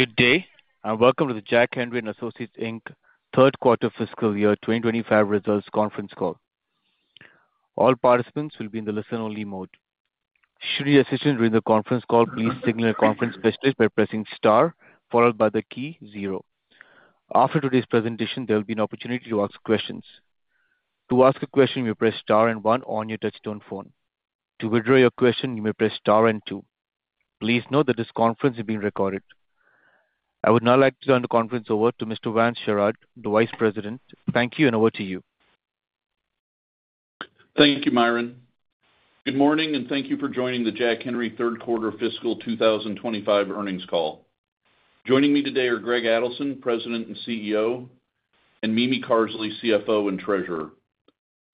Good day, and welcome to the Jack Henry & Associates Third Quarter Fiscal Year 2025 Results Conference Call. All participants will be in the listen-only mode. Should you assist us during the conference call, please signal your conference specialist by pressing star, followed by the key zero. After today's presentation, there will be an opportunity to ask questions. To ask a question, you press star and one on your touch-tone phone. To withdraw your question, you may press star and two. Please note that this conference is being recorded. I would now like to turn the conference over to Mr. Vance Sherard, the Vice President. Thank you, and over to you. Thank you, Myron. Good morning, and thank you for joining the Jack Henry Third Quarter Fiscal 2025 Earnings Call. Joining me today are Greg Adelson, President and CEO, and Mimi Carsley, CFO and Treasurer.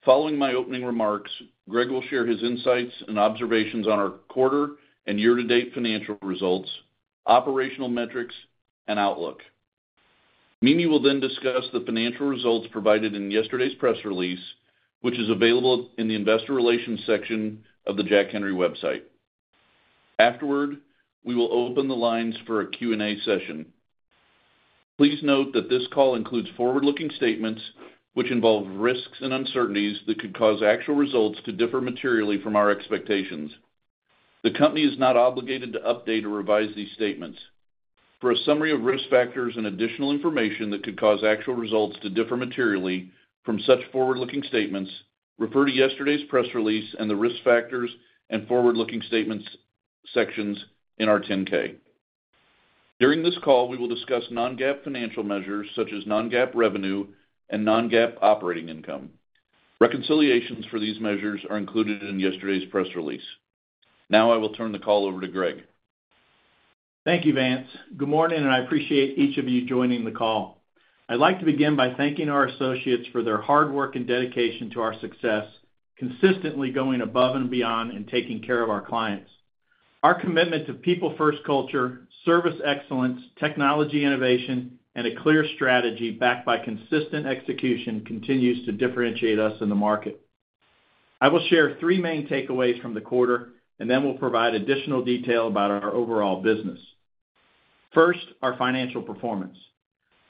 Following my opening remarks, Greg will share his insights and observations on our quarter and year-to-date financial results, operational metrics, and outlook. Mimi will then discuss the financial results provided in yesterday's press release, which is available in the Investor Relations section of the Jack Henry website. Afterward, we will open the lines for a Q&A session. Please note that this call includes forward-looking statements, which involve risks and uncertainties that could cause actual results to differ materially from our expectations. The company is not obligated to update or revise these statements. For a summary of risk factors and additional information that could cause actual results to differ materially from such forward-looking statements, refer to yesterday's press release and the risk factors and forward-looking statements sections in our 10-K. During this call, we will discuss non-GAAP financial measures such as non-GAAP revenue and non-GAAP operating income. Reconciliations for these measures are included in yesterday's press release. Now, I will turn the call over to Greg. Thank you, Vance. Good morning, and I appreciate each of you joining the call. I'd like to begin by thanking our associates for their hard work and dedication to our success, consistently going above and beyond and taking care of our clients. Our commitment to people-first culture, service excellence, technology innovation, and a clear strategy backed by consistent execution continues to differentiate us in the market. I will share 3 main takeaways from the quarter, and then we'll provide additional detail about our overall business. First, our financial performance.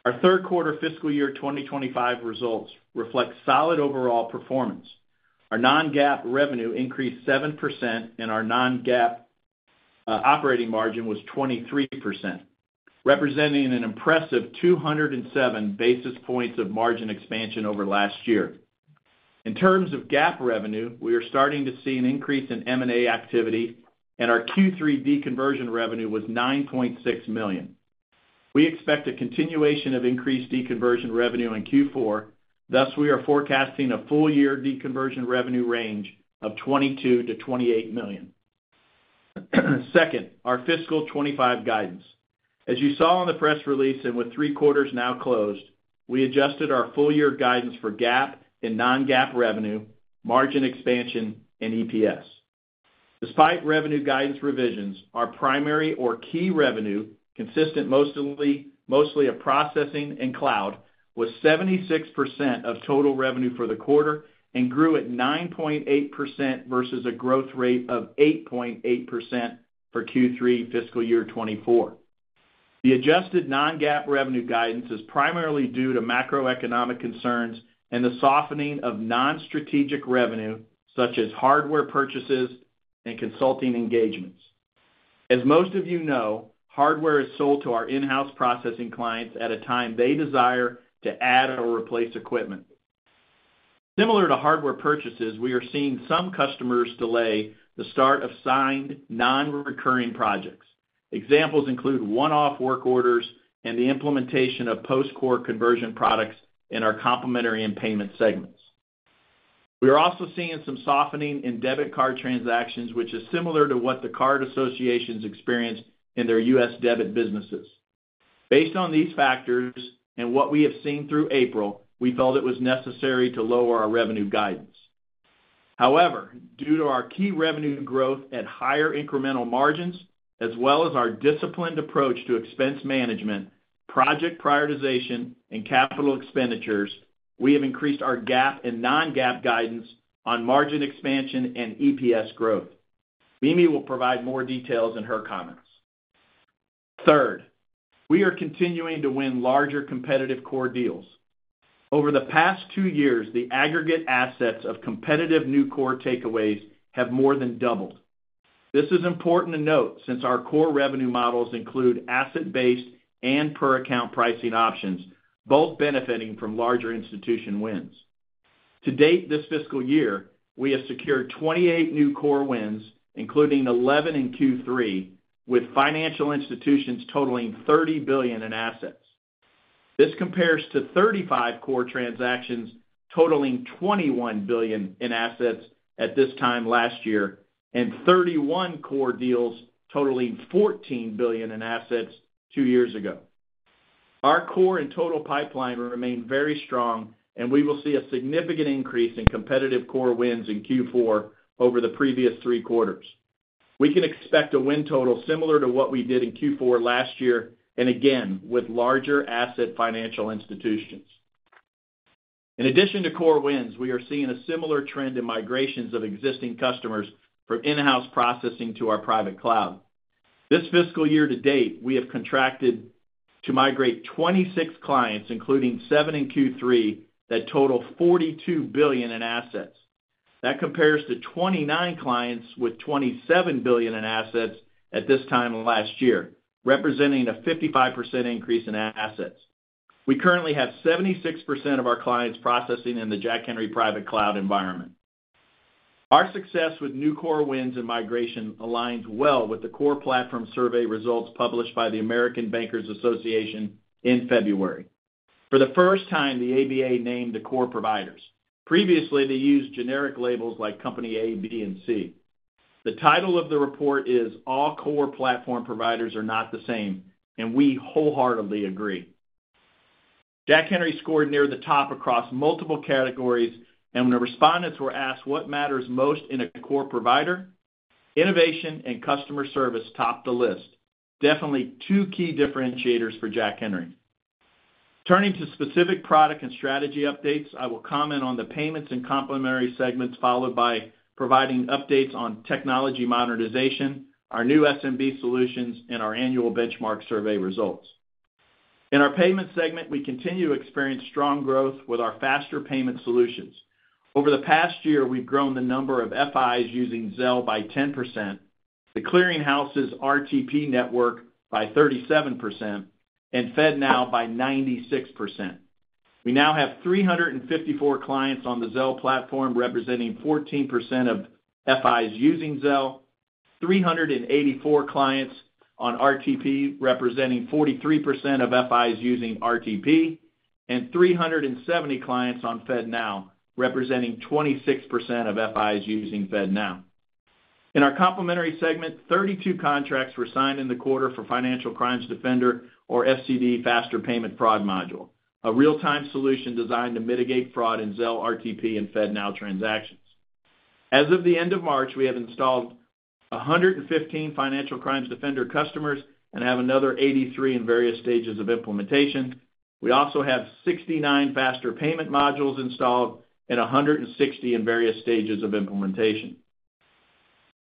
Our third quarter fiscal year 2025 results reflect solid overall performance. Our non-GAAP revenue increased 7%, and our non-GAAP operating margin was 23%, representing an impressive 207 basis points of margin expansion over last year. In terms of GAAP revenue, we are starting to see an increase in M&A activity, and our Q3 deconversion revenue was $9.6 million. We expect a continuation of increased deconversion revenue in Q4. Thus, we are forecasting a full-year deconversion revenue range of $22 million-$28 million. Second, our fiscal 2025 guidance. As you saw in the press release and with three quarters now closed, we adjusted our full-year guidance for GAAP and non-GAAP revenue, margin expansion, and EPS. Despite revenue guidance revisions, our primary or key revenue, consistent mostly of processing and cloud, was 76% of total revenue for the quarter and grew at 9.8% versus a growth rate of 8.8% for Q3 fiscal year 2024. The adjusted non-GAAP revenue guidance is primarily due to macroeconomic concerns and the softening of non-strategic revenue, such as hardware purchases and consulting engagements. As most of you know, hardware is sold to our in-house processing clients at a time they desire to add or replace equipment. Similar to hardware purchases, we are seeing some customers delay the start of signed non-recurring projects. Examples include one-off work orders and the implementation of post-core conversion products in our complementary and payment segments. We are also seeing some softening in debit card transactions, which is similar to what the card associations experience in their U.S. debit businesses. Based on these factors and what we have seen through April, we felt it was necessary to lower our revenue guidance. However, due to our key revenue growth at higher incremental margins, as well as our disciplined approach to expense management, project prioritization, and capital expenditures, we have increased our GAAP and non-GAAP guidance on margin expansion and EPS growth. Mimi will provide more details in her comments. Third, we are continuing to win larger competitive core deals. Over the past two years, the aggregate assets of competitive new core takeaways have more than doubled. This is important to note since our core revenue models include asset-based and per-account pricing options, both benefiting from larger institution wins. To date this fiscal year, we have secured 28 new core wins, including 11 in Q3, with financial institutions totaling $30 billion in assets. This compares to 35 core transactions totaling $21 billion in assets at this time last year and 31 core deals totaling $14 billion in assets two years ago. Our core and total pipeline remain very strong, and we will see a significant increase in competitive core wins in Q4 over the previous three quarters. We can expect a win total similar to what we did in Q4 last year and again with larger asset financial institutions. In addition to core wins, we are seeing a similar trend in migrations of existing customers from in-house processing to our private cloud. This fiscal year to date, we have contracted to migrate 26 clients, including 7 in Q3, that total $42 billion in assets. That compares to 29 clients with $27 billion in assets at this time last year, representing a 55% increase in assets. We currently have 76% of our clients processing in the Jack Henry Private Cloud environment. Our success with new core wins and migration aligns well with the core platform survey results published by the American Bankers Association in February. For the first time, the ABA named the core providers. Previously, they used generic labels like Company A, B, and C. The title of the report is "All Core Platform Providers Are Not the Same," and we wholeheartedly agree. Jack Henry scored near the top across multiple categories, and when the respondents were asked what matters most in a core provider, innovation and customer service topped the list, definitely two key differentiators for Jack Henry. Turning to specific product and strategy updates, I will comment on the payments and complementary segments followed by providing updates on technology modernization, our new SMB solutions, and our annual benchmark survey results. In our payments segment, we continue to experience strong growth with our faster payment solutions. Over the past year, we've grown the number of FIs using Zelle by 10%, The Clearing House's RTP network by 37%, and FedNow by 96%. We now have 354 clients on the Zelle platform, representing 14% of FIs using Zelle, 384 clients on RTP, representing 43% of FIs using RTP, and 370 clients on FedNow, representing 26% of FIs using FedNow. In our complementary segment, 32 contracts were signed in the quarter for Financial Crimes Defender, or FCD, Faster Payment Fraud Module, a real-time solution designed to mitigate fraud in Zelle, RTP, and FedNow transactions. As of the end of March, we have installed 115 Financial Crimes Defender customers and have another 83 in various stages of implementation. We also have 69 Faster Payment Modules installed and 160 in various stages of implementation.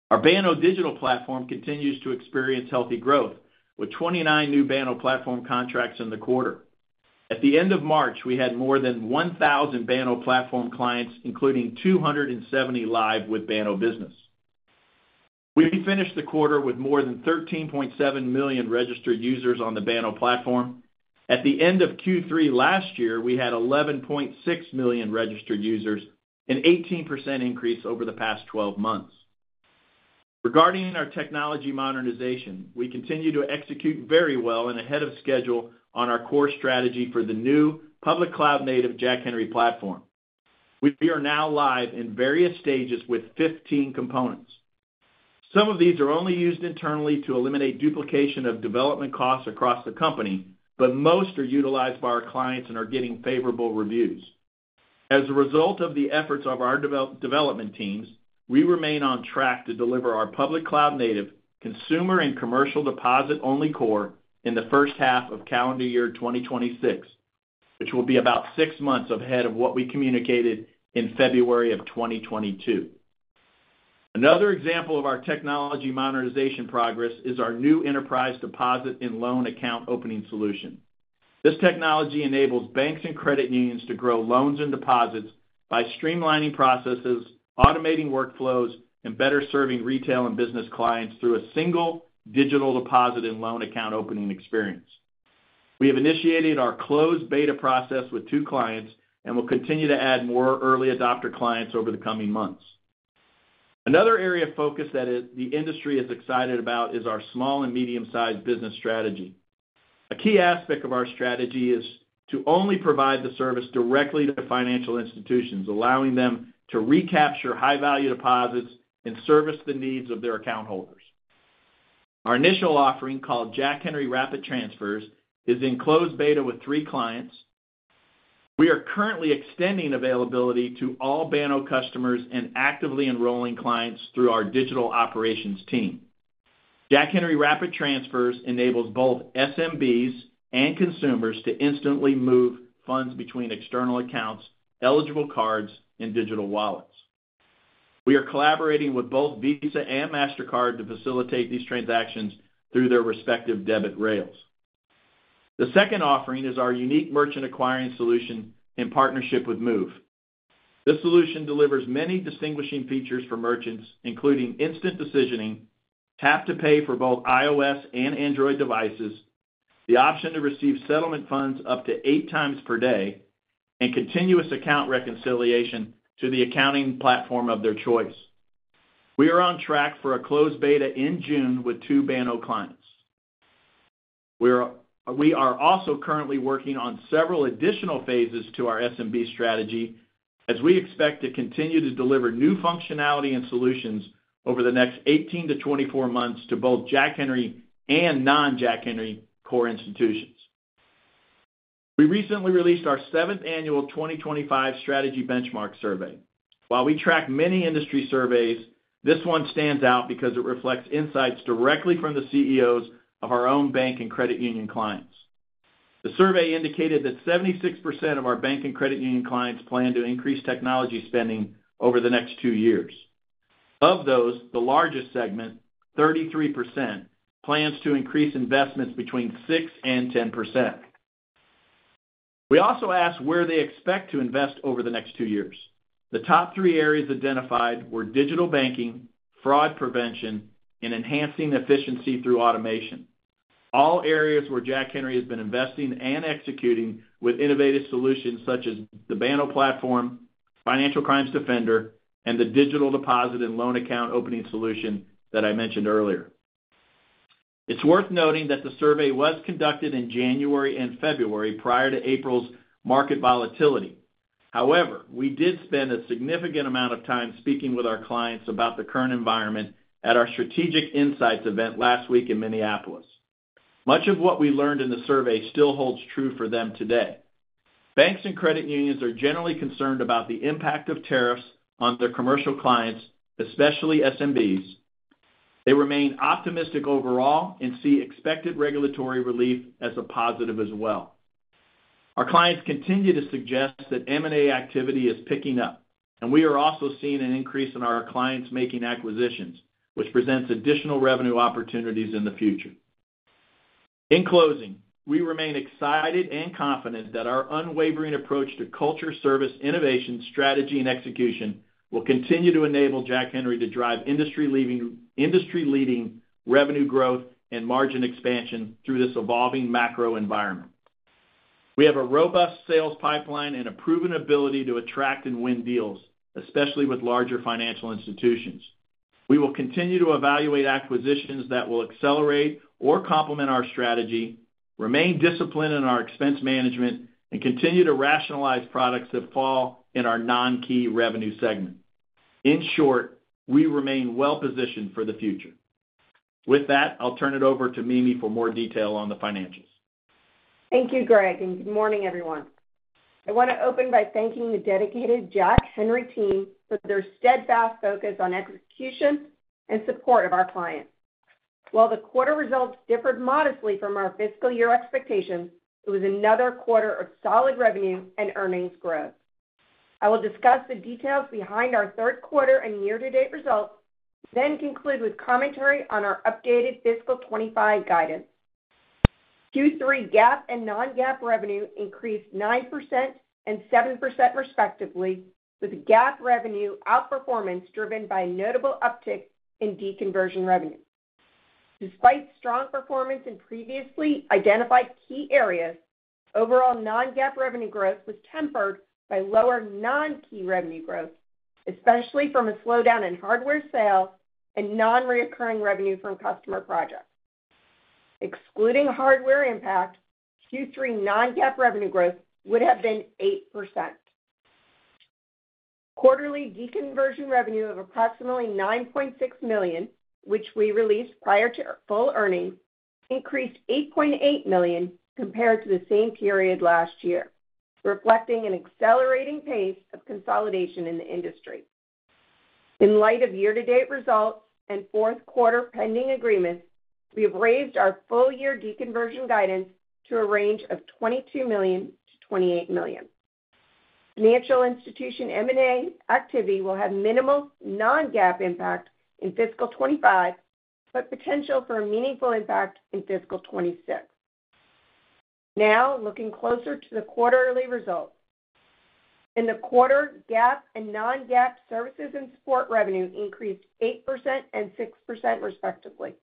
Our Banno digital platform continues to experience healthy growth, with 29 new Banno platform contracts in the quarter. At the end of March, we had more than 1,000 Banno platform clients, including 270 live with Banno Business. We finished the quarter with more than 13.7 million registered users on the Banno platform. At the end of Q3 last year, we had 11.6 million registered users, an 18% increase over the past 12 months. Regarding our technology modernization, we continue to execute very well and ahead of schedule on our core strategy for the new public cloud-native Jack Henry platform. We are now live in various stages with 15 components. Some of these are only used internally to eliminate duplication of development costs across the company, but most are utilized by our clients and are getting favorable reviews. As a result of the efforts of our development teams, we remain on track to deliver our public cloud-native consumer and commercial deposit-only core in the first half of calendar year 2026, which will be about 6 months ahead of what we communicated in February of 2022. Another example of our technology modernization progress is our new enterprise deposit and loan account opening solution. This technology enables banks and credit unions to grow loans and deposits by streamlining processes, automating workflows, and better serving retail and business clients through a single digital deposit and loan account opening experience. We have initiated our closed beta process with two clients and will continue to add more early adopter clients over the coming months. Another area of focus that the industry is excited about is our small and medium-sized business strategy. A key aspect of our strategy is to only provide the service directly to financial institutions, allowing them to recapture high-value deposits and service the needs of their account holders. Our initial offering, called Jack Henry Rapid Transfers, is in closed beta with 3 clients. We are currently extending availability to all Banno customers and actively enrolling clients through our digital operations team. Jack Henry Rapid Transfers enables both SMBs and consumers to instantly move funds between external accounts, eligible cards, and digital wallets. We are collaborating with both Visa and Mastercard to facilitate these transactions through their respective debit rails. The second offering is our unique merchant acquiring solution in partnership with Moov. This solution delivers many distinguishing features for merchants, including instant decisioning, tap-to-pay for both iOS and Android devices, the option to receive settlement funds up to 8 times per day, and continuous account reconciliation to the accounting platform of their choice. We are on track for a closed beta in June with 2 Banno clients. We are also currently working on several additional phases to our SMB strategy, as we expect to continue to deliver new functionality and solutions over the next 18-24 months to both Jack Henry and non-Jack Henry core institutions. We recently released our 7th annual 2025 strategy benchmark survey. While we track many industry surveys, this one stands out because it reflects insights directly from the CEOs of our own bank and credit union clients. The survey indicated that 76% of our bank and credit union clients plan to increase technology spending over the next 2 years. Of those, the largest segment, 33%, plans to increase investments between 6-10%. We also asked where they expect to invest over the next 2 years. The top 3 areas identified were digital banking, fraud prevention, and enhancing efficiency through automation. All areas where Jack Henry has been investing and executing with innovative solutions such as the Banno platform, Financial Crimes Defender, and the digital deposit and loan account opening solution that I mentioned earlier. It's worth noting that the survey was conducted in January and February prior to April's market volatility. However, we did spend a significant amount of time speaking with our clients about the current environment at our strategic insights event last week in Minneapolis. Much of what we learned in the survey still holds true for them today. Banks and credit unions are generally concerned about the impact of tariffs on their commercial clients, especially SMBs. They remain optimistic overall and see expected regulatory relief as a positive as well. Our clients continue to suggest that M&A activity is picking up, and we are also seeing an increase in our clients making acquisitions, which presents additional revenue opportunities in the future. In closing, we remain excited and confident that our unwavering approach to culture, service, innovation, strategy, and execution will continue to enable Jack Henry to drive industry-leading revenue growth and margin expansion through this evolving macro environment. We have a robust sales pipeline and a proven ability to attract and win deals, especially with larger financial institutions. We will continue to evaluate acquisitions that will accelerate or complement our strategy, remain disciplined in our expense management, and continue to rationalize products that fall in our non-key revenue segment. In short, we remain well-positioned for the future. With that, I'll turn it over to Mimi for more detail on the financials. Thank you, Greg, and good morning, everyone. I want to open by thanking the dedicated Jack Henry team for their steadfast focus on execution and support of our clients. While the quarter results differed modestly from our fiscal year expectations, it was another quarter of solid revenue and earnings growth. I will discuss the details behind our third quarter and year-to-date results, then conclude with commentary on our updated fiscal 2025 guidance. Q3 GAAP and non-GAAP revenue increased 9% and 7%, respectively, with GAAP revenue outperformance driven by a notable uptick in deconversion revenue. Despite strong performance in previously identified key areas, overall non-GAAP revenue growth was tempered by lower non-key revenue growth, especially from a slowdown in hardware sales and non-recurring revenue from customer projects. Excluding hardware impact, Q3 non-GAAP revenue growth would have been 8%. Quarterly deconversion revenue of approximately $9.6 million, which we released prior to full earnings, increased $8.8 million compared to the same period last year, reflecting an accelerating pace of consolidation in the industry. In light of year-to-date results and fourth quarter pending agreements, we have raised our full-year deconversion guidance to a range of $22 million-$28 million. Financial institution M&A activity will have minimal non-GAAP impact in fiscal 2025, but potential for a meaningful impact in fiscal 2026. Now, looking closer to the quarterly results, in the quarter, GAAP and non-GAAP services and support revenue increased 8% and 6%, respectively.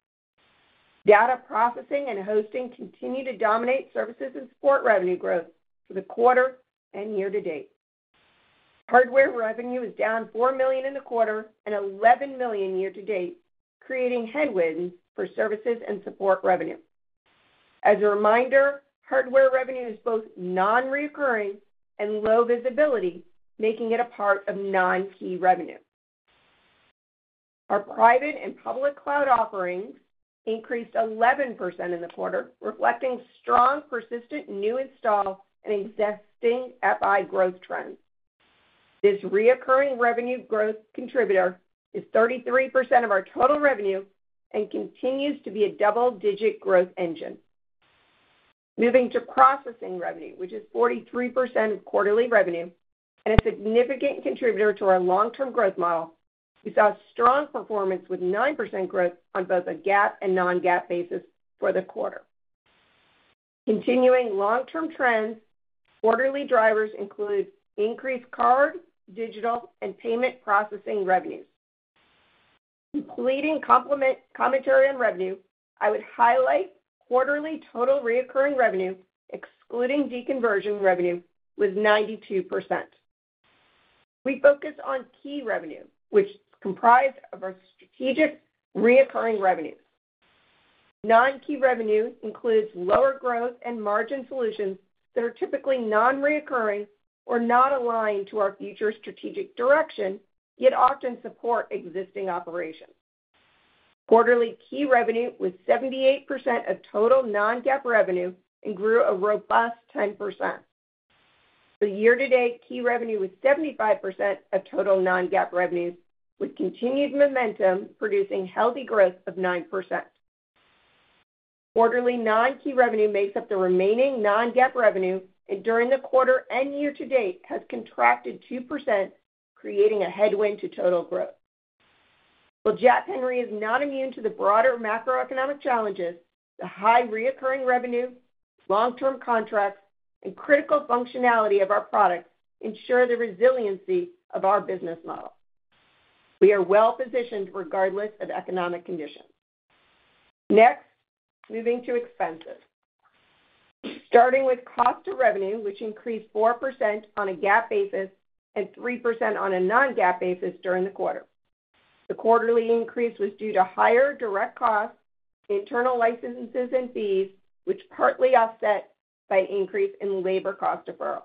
Data processing and hosting continue to dominate services and support revenue growth for the quarter and year-to-date. Hardware revenue is down $4 million in the quarter and $11 million year-to-date, creating headwinds for services and support revenue. As a reminder, hardware revenue is both non-recurring and low visibility, making it a part of non-key revenue. Our private and public cloud offerings increased 11% in the quarter, reflecting strong, persistent new install and existing FI growth trends. This recurring revenue growth contributor is 33% of our total revenue and continues to be a double-digit growth engine. Moving to processing revenue, which is 43% of quarterly revenue and a significant contributor to our long-term growth model, we saw strong performance with 9% growth on both a GAAP and non-GAAP basis for the quarter. Continuing long-term trends, quarterly drivers include increased card, digital, and payment processing revenues. Completing complementary revenue, I would highlight quarterly total recurring revenue, excluding deconversion revenue, was 92%. We focus on key revenue, which is comprised of our strategic recurring revenue. Non-key revenue includes lower growth and margin solutions that are typically non-recurring or not aligned to our future strategic direction, yet often support existing operations. Quarterly key revenue was 78% of total non-GAAP revenue and grew a robust 10%. The year-to-date key revenue was 75% of total non-GAAP revenue, with continued momentum producing healthy growth of 9%. Quarterly non-key revenue makes up the remaining non-GAAP revenue, and during the quarter and year-to-date, has contracted 2%, creating a headwind to total growth. While Jack Henry is not immune to the broader macroeconomic challenges, the high recurring revenue, long-term contracts, and critical functionality of our products ensure the resiliency of our business model. We are well-positioned regardless of economic conditions. Next, moving to expenses. Starting with cost of revenue, which increased 4% on a GAAP basis and 3% on a non-GAAP basis during the quarter. The quarterly increase was due to higher direct costs, internal licenses, and fees, which were partly offset by increase in labor cost deferral.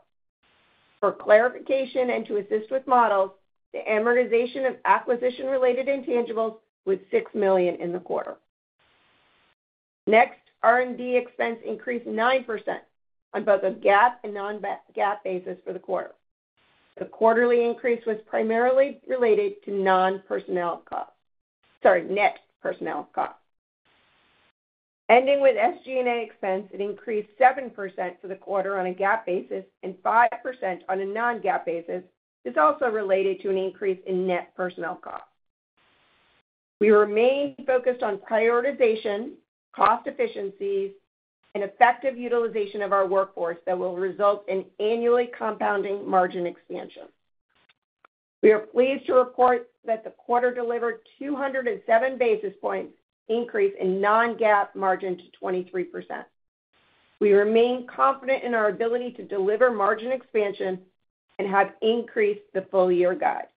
For clarification and to assist with models, the amortization of acquisition-related intangibles was $6 million in the quarter. Next, R&D expense increased 9% on both a GAAP and non-GAAP basis for the quarter. The quarterly increase was primarily related to net personnel costs. Ending with SG&A expense, it increased 7% for the quarter on a GAAP basis and 5% on a non-GAAP basis. This is also related to an increase in net personnel costs. We remain focused on prioritization, cost efficiencies, and effective utilization of our workforce that will result in annually compounding margin expansion. We are pleased to report that the quarter delivered 207 basis points increase in non-GAAP margin to 23%. We remain confident in our ability to deliver margin expansion and have increased the full-year guide.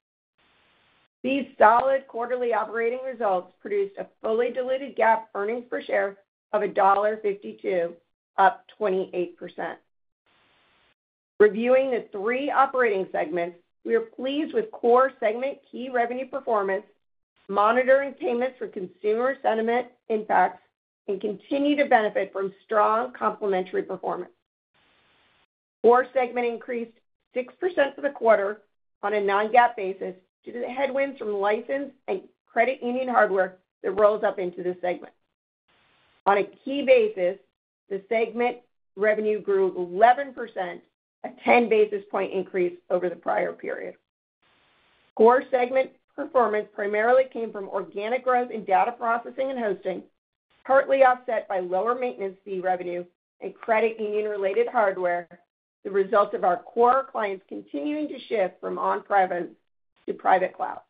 These solid quarterly operating results produced a fully diluted GAAP earnings per share of $1.52, up 28%. Reviewing the 3 operating segments, we are pleased with core segment key revenue performance, monitoring payments for consumer sentiment impacts, and continue to benefit from strong complementary performance. Core segment increased 6% for the quarter on a non-GAAP basis due to the headwinds from license and credit union hardware that rolls up into this segment. On a key basis, the segment revenue grew 11%, a 10 basis point increase over the prior period. Core segment performance primarily came from organic growth in data processing and hosting, partly offset by lower maintenance fee revenue and credit union-related hardware, the result of our core clients continuing to shift from on-premise to private cloud.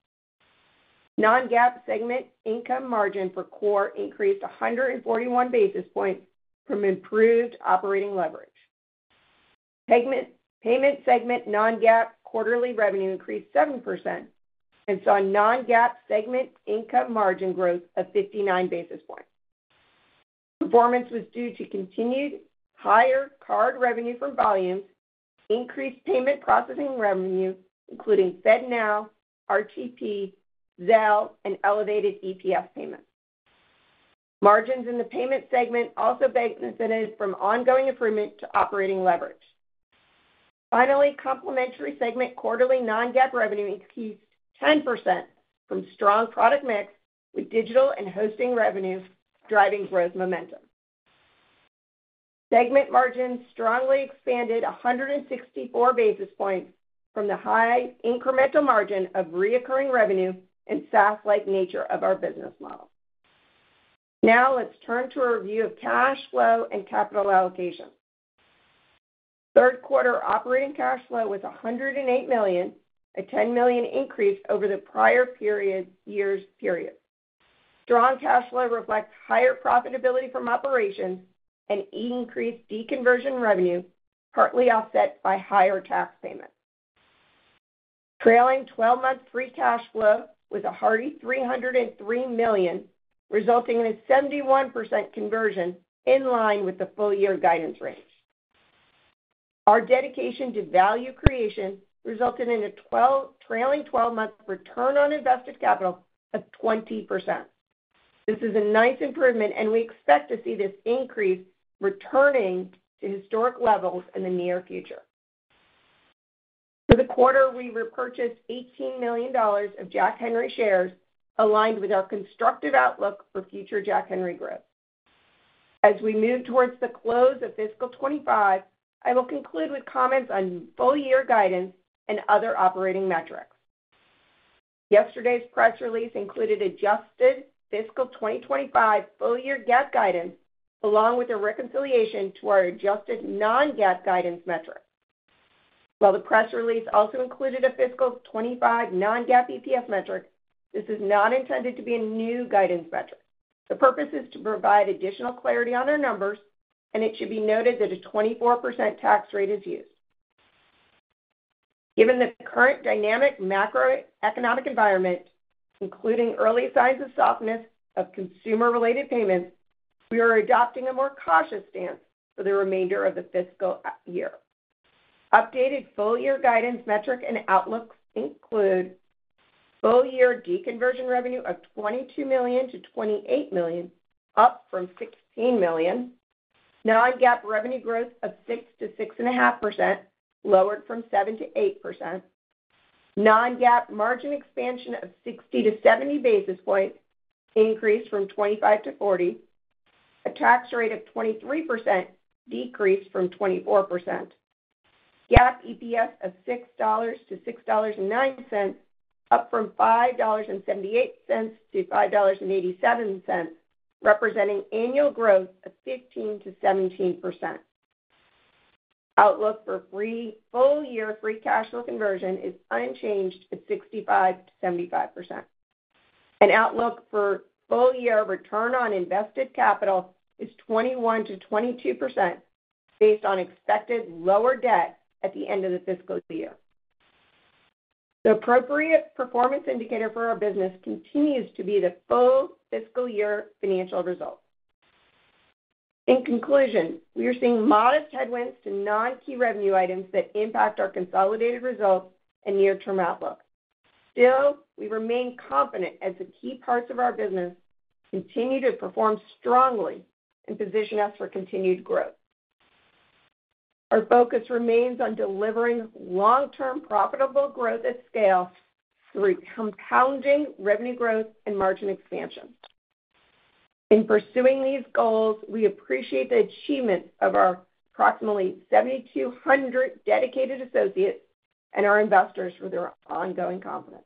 Non-GAAP segment income margin for core increased 141 basis points from improved operating leverage. Payment segment non-GAAP quarterly revenue increased 7% and saw non-GAAP segment income margin growth of 59 basis points. This performance was due to continued higher card revenue from volumes, increased payment processing revenue, including FedNow, RTP, Zelle, and elevated EPS payments. Margins in the payment segment also benefited from ongoing improvement to operating leverage. Finally, complementary segment quarterly non-GAAP revenue increased 10% from strong product mix with digital and hosting revenue driving growth momentum. Segment margins strongly expanded 164 basis points from the high incremental margin of recurring revenue and SaaS-like nature of our business model. Now, let's turn to a review of cash flow and capital allocation. Third quarter operating cash flow was $108 million, a $10 million increase over the prior year's period. Strong cash flow reflects higher profitability from operations and increased deconversion revenue, partly offset by higher tax payments. Trailing 12-month free cash flow was a hearty $303 million, resulting in a 71% conversion in line with the full-year guidance range. Our dedication to value creation resulted in a trailing 12-month return on invested capital of 20%. This is a nice improvement, and we expect to see this increase returning to historic levels in the near future. For the quarter, we repurchased $18 million of Jack Henry shares, aligned with our constructive outlook for future Jack Henry growth. As we move towards the close of fiscal 2025, I will conclude with comments on full-year guidance and other operating metrics. Yesterday's press release included adjusted fiscal 2025 full-year GAAP guidance, along with a reconciliation to our adjusted non-GAAP guidance metric. While the press release also included a fiscal 2025 non-GAAP EPS metric, this is not intended to be a new guidance metric. The purpose is to provide additional clarity on our numbers, and it should be noted that a 24% tax rate is used. Given the current dynamic macroeconomic environment, including early signs of softness of consumer-related payments, we are adopting a more cautious stance for the remainder of the fiscal year. Updated full-year guidance metric and outlook include full-year deconversion revenue of $22 million-$28 million, up from $16 million. Non-GAAP revenue growth of 6%-6.5%, lowered from 7%-8%. Non-GAAP margin expansion of 60-70 basis points, increased from 25-40. A tax rate of 23%, decreased from 24%. GAAP EPS of $6.00-$6.09, up from $5.78-$5.87, representing annual growth of 15%-17%. Outlook for full-year free cash flow conversion is unchanged at 65%-75%. An outlook for full-year return on invested capital is 21%-22%, based on expected lower debt at the end of the fiscal year. The appropriate performance indicator for our business continues to be the full fiscal year financial results. In conclusion, we are seeing modest headwinds to non-key revenue items that impact our consolidated results and near-term outlook. Still, we remain confident as the key parts of our business continue to perform strongly and position us for continued growth. Our focus remains on delivering long-term profitable growth at scale through compounding revenue growth and margin expansion. In pursuing these goals, we appreciate the achievement of our approximately 7,200 dedicated associates and our investors for their ongoing confidence.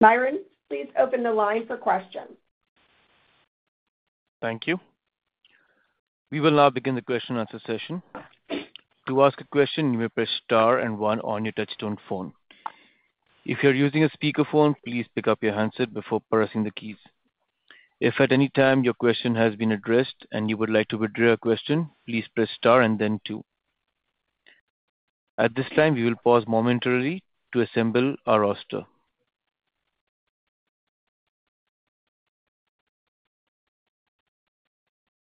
Myron, please open the line for questions. Thank you. We will now begin the question-and-answer session. To ask a question, you may press Star and 1 on your touch-tone phone. If you're using a speakerphone, please pick up your handset before pressing the keys. If at any time your question has been addressed and you would like to withdraw a question, please press Star and then 2. At this time, we will pause momentarily to assemble our roster.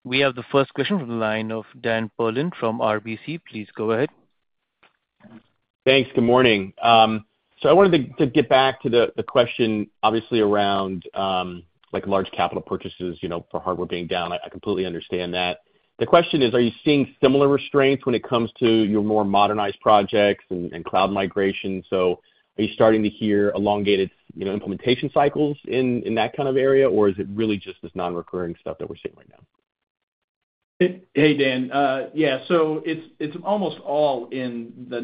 We have the first question from the line of Dan Perlin from RBC. Please go ahead. Thanks. Good morning. I wanted to get back to the question, obviously, around large capital purchases for hardware being down. I completely understand that. The question is, are you seeing similar restraints when it comes to your more modernized projects and cloud migrations? Are you starting to hear elongated implementation cycles in that kind of area, or is it really just this non-recurring stuff that we are seeing right now? Hey, Dan. Yeah. It is almost all in the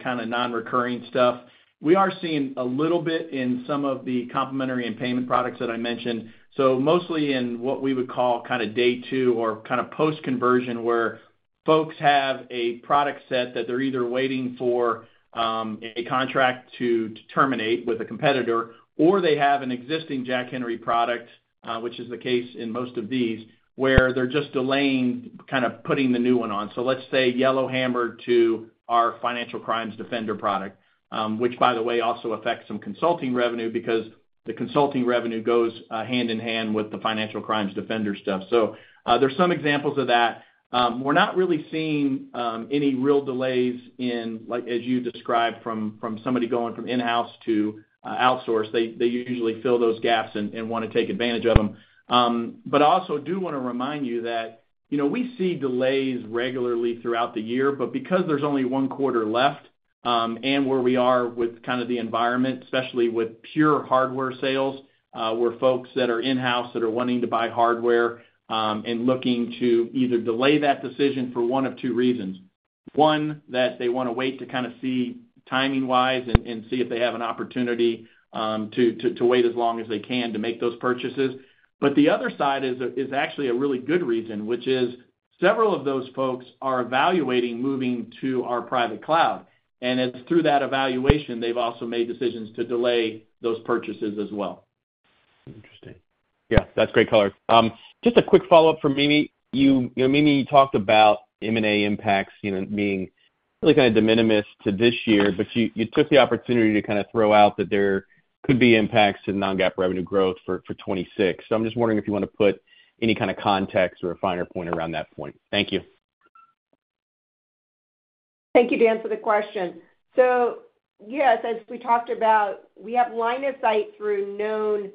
kind of non-recurring stuff. We are seeing a little bit in some of the complementary and payment products that I mentioned. Mostly in what we would call kind of day 2 or kind of post-conversion, where folks have a product set that they're either waiting for a contract to terminate with a competitor, or they have an existing Jack Henry product, which is the case in most of these, where they're just delaying kind of putting the new one on. Let's say Yellowhammer to our Financial Crimes Defender product, which, by the way, also affects some consulting revenue because the consulting revenue goes hand in hand with the Financial Crimes Defender stuff. There are some examples of that. We're not really seeing any real delays in, as you described, from somebody going from in-house to outsource. They usually fill those gaps and want to take advantage of them. I also do want to remind you that we see delays regularly throughout the year, but because there's only one quarter left and where we are with kind of the environment, especially with pure hardware sales, where folks that are in-house that are wanting to buy hardware and looking to either delay that decision for one of 2 reasons. One, that they want to wait to kind of see timing-wise and see if they have an opportunity to wait as long as they can to make those purchases. The other side is actually a really good reason, which is several of those folks are evaluating moving to our private cloud. It is through that evaluation they've also made decisions to delay those purchases as well. Interesting. Yeah. That's great color. Just a quick follow-up for Mimi. Mimi, you talked about M&A impacts being really kind of de minimis to this year, but you took the opportunity to kind of throw out that there could be impacts to non-GAAP revenue growth for 2026. I am just wondering if you want to put any kind of context or a finer point around that point. Thank you. Thank you, Dan, for the question. Yes, as we talked about, we have line of sight through known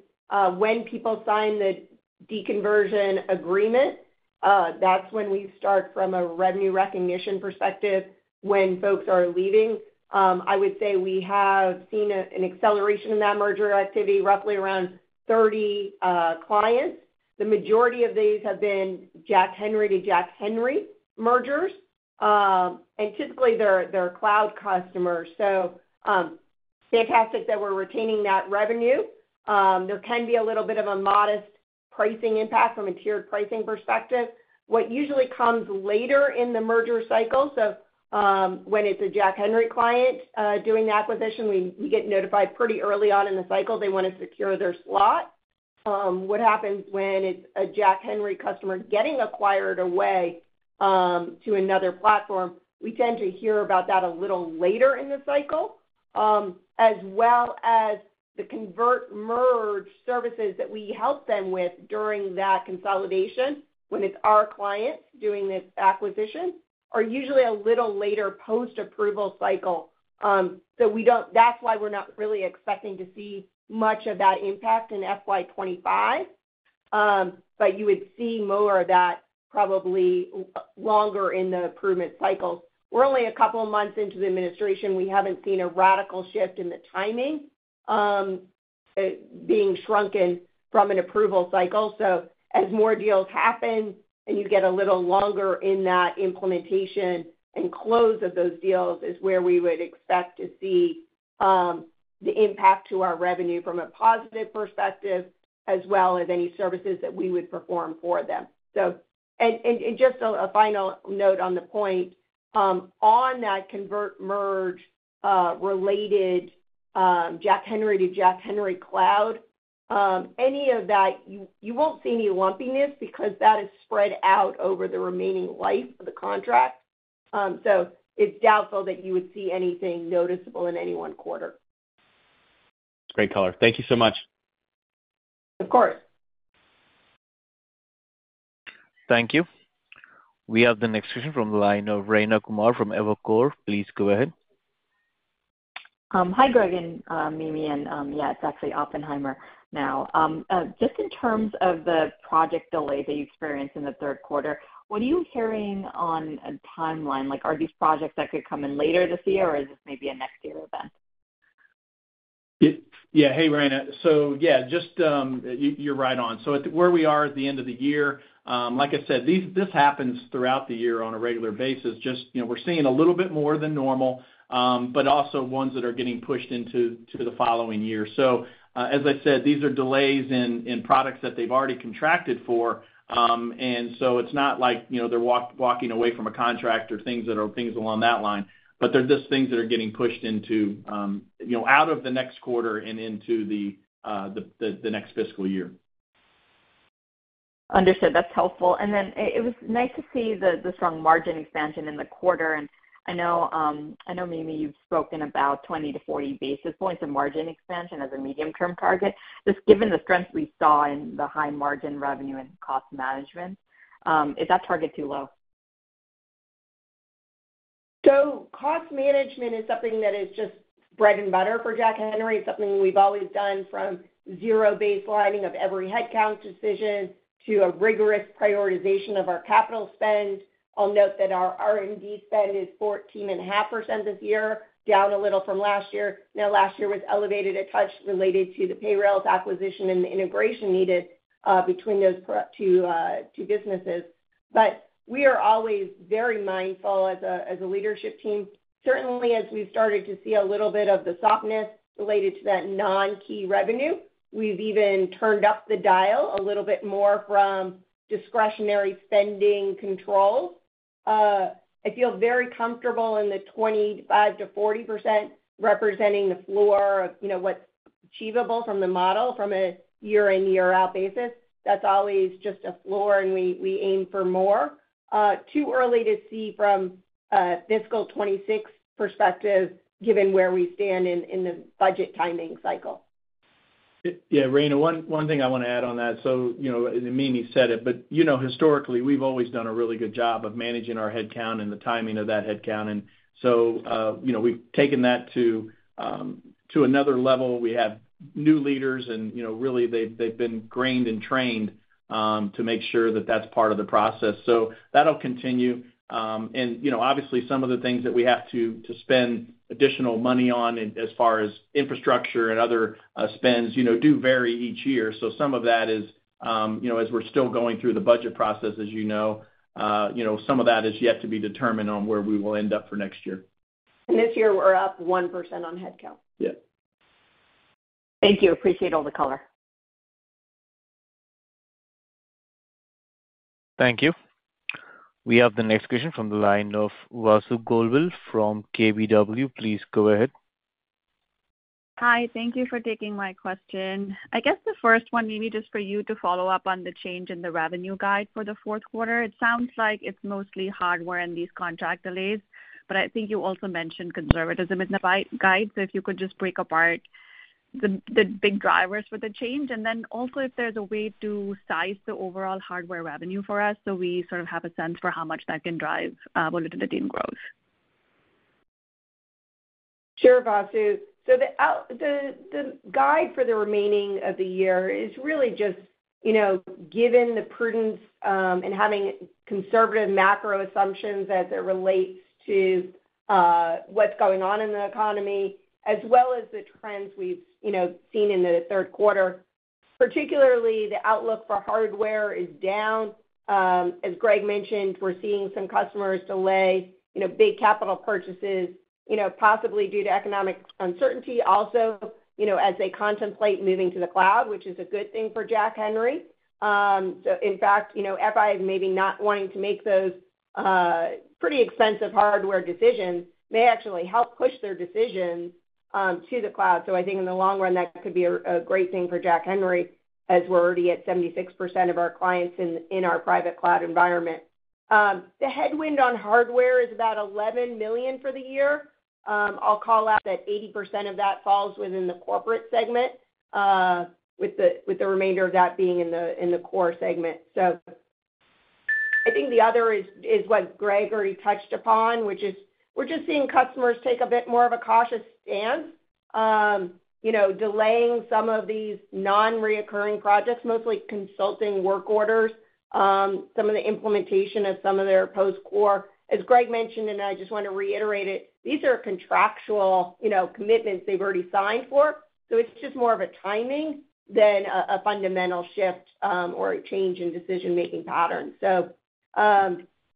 when people sign the deconversion agreement. That is when we start from a revenue recognition perspective when folks are leaving. I would say we have seen an acceleration in that merger activity, roughly around 30 clients. The majority of these have been Jack Henry to Jack Henry mergers. Typically, they are cloud customers. Fantastic that we are retaining that revenue. There can be a little bit of a modest pricing impact from a tiered pricing perspective. What usually comes later in the merger cycle, when it is a Jack Henry client doing the acquisition, we get notified pretty early on in the cycle. They want to secure their slot. What happens when it is a Jack Henry customer getting acquired away to another platform? We tend to hear about that a little later in the cycle, as well as the convert merge services that we help them with during that consolidation when it is our clients doing the acquisition are usually a little later post-approval cycle. That is why we are not really expecting to see much of that impact in FY2025. You would see more of that probably longer in the improvement cycles. We are only a couple of months into the administration. We haven't seen a radical shift in the timing being shrunken from an approval cycle. As more deals happen and you get a little longer in that implementation and close of those deals is where we would expect to see the impact to our revenue from a positive perspective, as well as any services that we would perform for them. Just a final note on the point, on that convert merge-related Jack Henry to Jack Henry cloud, any of that, you won't see any lumpiness because that is spread out over the remaining life of the contract. It is doubtful that you would see anything noticeable in any one quarter. That's great color. Thank you so much. Of course. Thank you. We have the next question from the line of Rayna Kumar from Evercore. Please go ahead. Hi, Greg and Mimi. Yeah, it's actually Oppenheimer now. Just in terms of the project delays that you experienced in the third quarter, what are you hearing on a timeline? Are these projects that could come in later this year, or is this maybe a next-year event? Yeah. Hey, Rayna. So yeah, just you're right on. Where we are at the end of the year, like I said, this happens throughout the year on a regular basis. We're seeing a little bit more than normal, but also ones that are getting pushed into the following year. As I said, these are delays in products that they've already contracted for. It's not like they're walking away from a contract or things along that line. They're just things that are getting pushed out of the next quarter and into the next fiscal year. Understood. That's helpful. It was nice to see the strong margin expansion in the quarter. I know, Mimi, you have spoken about 20-40 basis points of margin expansion as a medium-term target. Just given the strength we saw in the high margin revenue and cost management, is that target too low? Cost management is something that is just bread and butter for Jack Henry. It is something we have always done from zero baselining of every headcount decision to a rigorous prioritization of our capital spend. I will note that our R&D spend is 14.5% this year, down a little from last year. Last year was elevated a touch related to the payrolls acquisition and the integration needed between those 2 businesses. We are always very mindful as a leadership team. Certainly, as we've started to see a little bit of the softness related to that non-key revenue, we've even turned up the dial a little bit more from discretionary spending controls. I feel very comfortable in the 25%-40% representing the floor of what's achievable from the model from a year-in-year-out basis. That's always just a floor, and we aim for more. Too early to see from a fiscal 2026 perspective, given where we stand in the budget timing cycle. Yeah. Rayna, one thing I want to add on that. Mimi said it, but historically, we've always done a really good job of managing our headcount and the timing of that headcount. We've taken that to another level. We have new leaders, and really, they've been trained and trained to make sure that that's part of the process. That'll continue. Obviously, some of the things that we have to spend additional money on as far as infrastructure and other spends do vary each year. Some of that is, as we're still going through the budget process, as you know, some of that is yet to be determined on where we will end up for next year. This year, we're up 1% on headcount. Yeah. Thank you. Appreciate all the color. Thank you. We have the next question from the line of Vasu Govil from KBW. Please go ahead. Hi. Thank you for taking my question. I guess the first one, Mimi, just for you to follow up on the change in the revenue guide for the fourth quarter. It sounds like it's mostly hardware and these contract delays, but I think you also mentioned conservatism in the guide. If you could just break apart the big drivers for the change, and then also if there's a way to size the overall hardware revenue for us so we sort of have a sense for how much that can drive volatility and growth. Sure, Vasu. The guide for the remaining of the year is really just given the prudence and having conservative macro assumptions as it relates to what's going on in the economy, as well as the trends we've seen in the third quarter. Particularly, the outlook for hardware is down. As Greg mentioned, we're seeing some customers delay big capital purchases, possibly due to economic uncertainty, also as they contemplate moving to the cloud, which is a good thing for Jack Henry. In fact, FIs maybe not wanting to make those pretty expensive hardware decisions may actually help push their decisions to the cloud. I think in the long run, that could be a great thing for Jack Henry as we're already at 76% of our clients in our private cloud environment. The headwind on hardware is about $11 million for the year. I'll call out that 80% of that falls within the corporate segment, with the remainder of that being in the core segment. I think the other is what Greg already touched upon, which is we're just seeing customers take a bit more of a cautious stance, delaying some of these non-recurring projects, mostly consulting work orders, some of the implementation of some of their post-core. As Greg mentioned, and I just want to reiterate it, these are contractual commitments they've already signed for. It's just more of a timing than a fundamental shift or a change in decision-making pattern.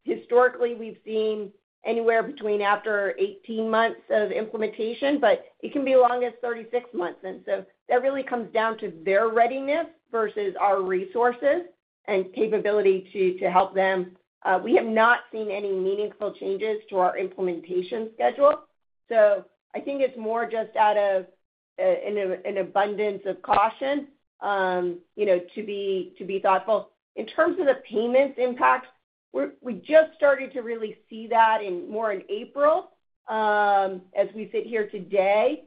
Historically, we've seen anywhere between after 18 months of implementation, but it can be as long as 36 months. That really comes down to their readiness versus our resources and capability to help them. We have not seen any meaningful changes to our implementation schedule. I think it's more just out of an abundance of caution to be thoughtful. In terms of the payments impact, we just started to really see that more in April. As we sit here today,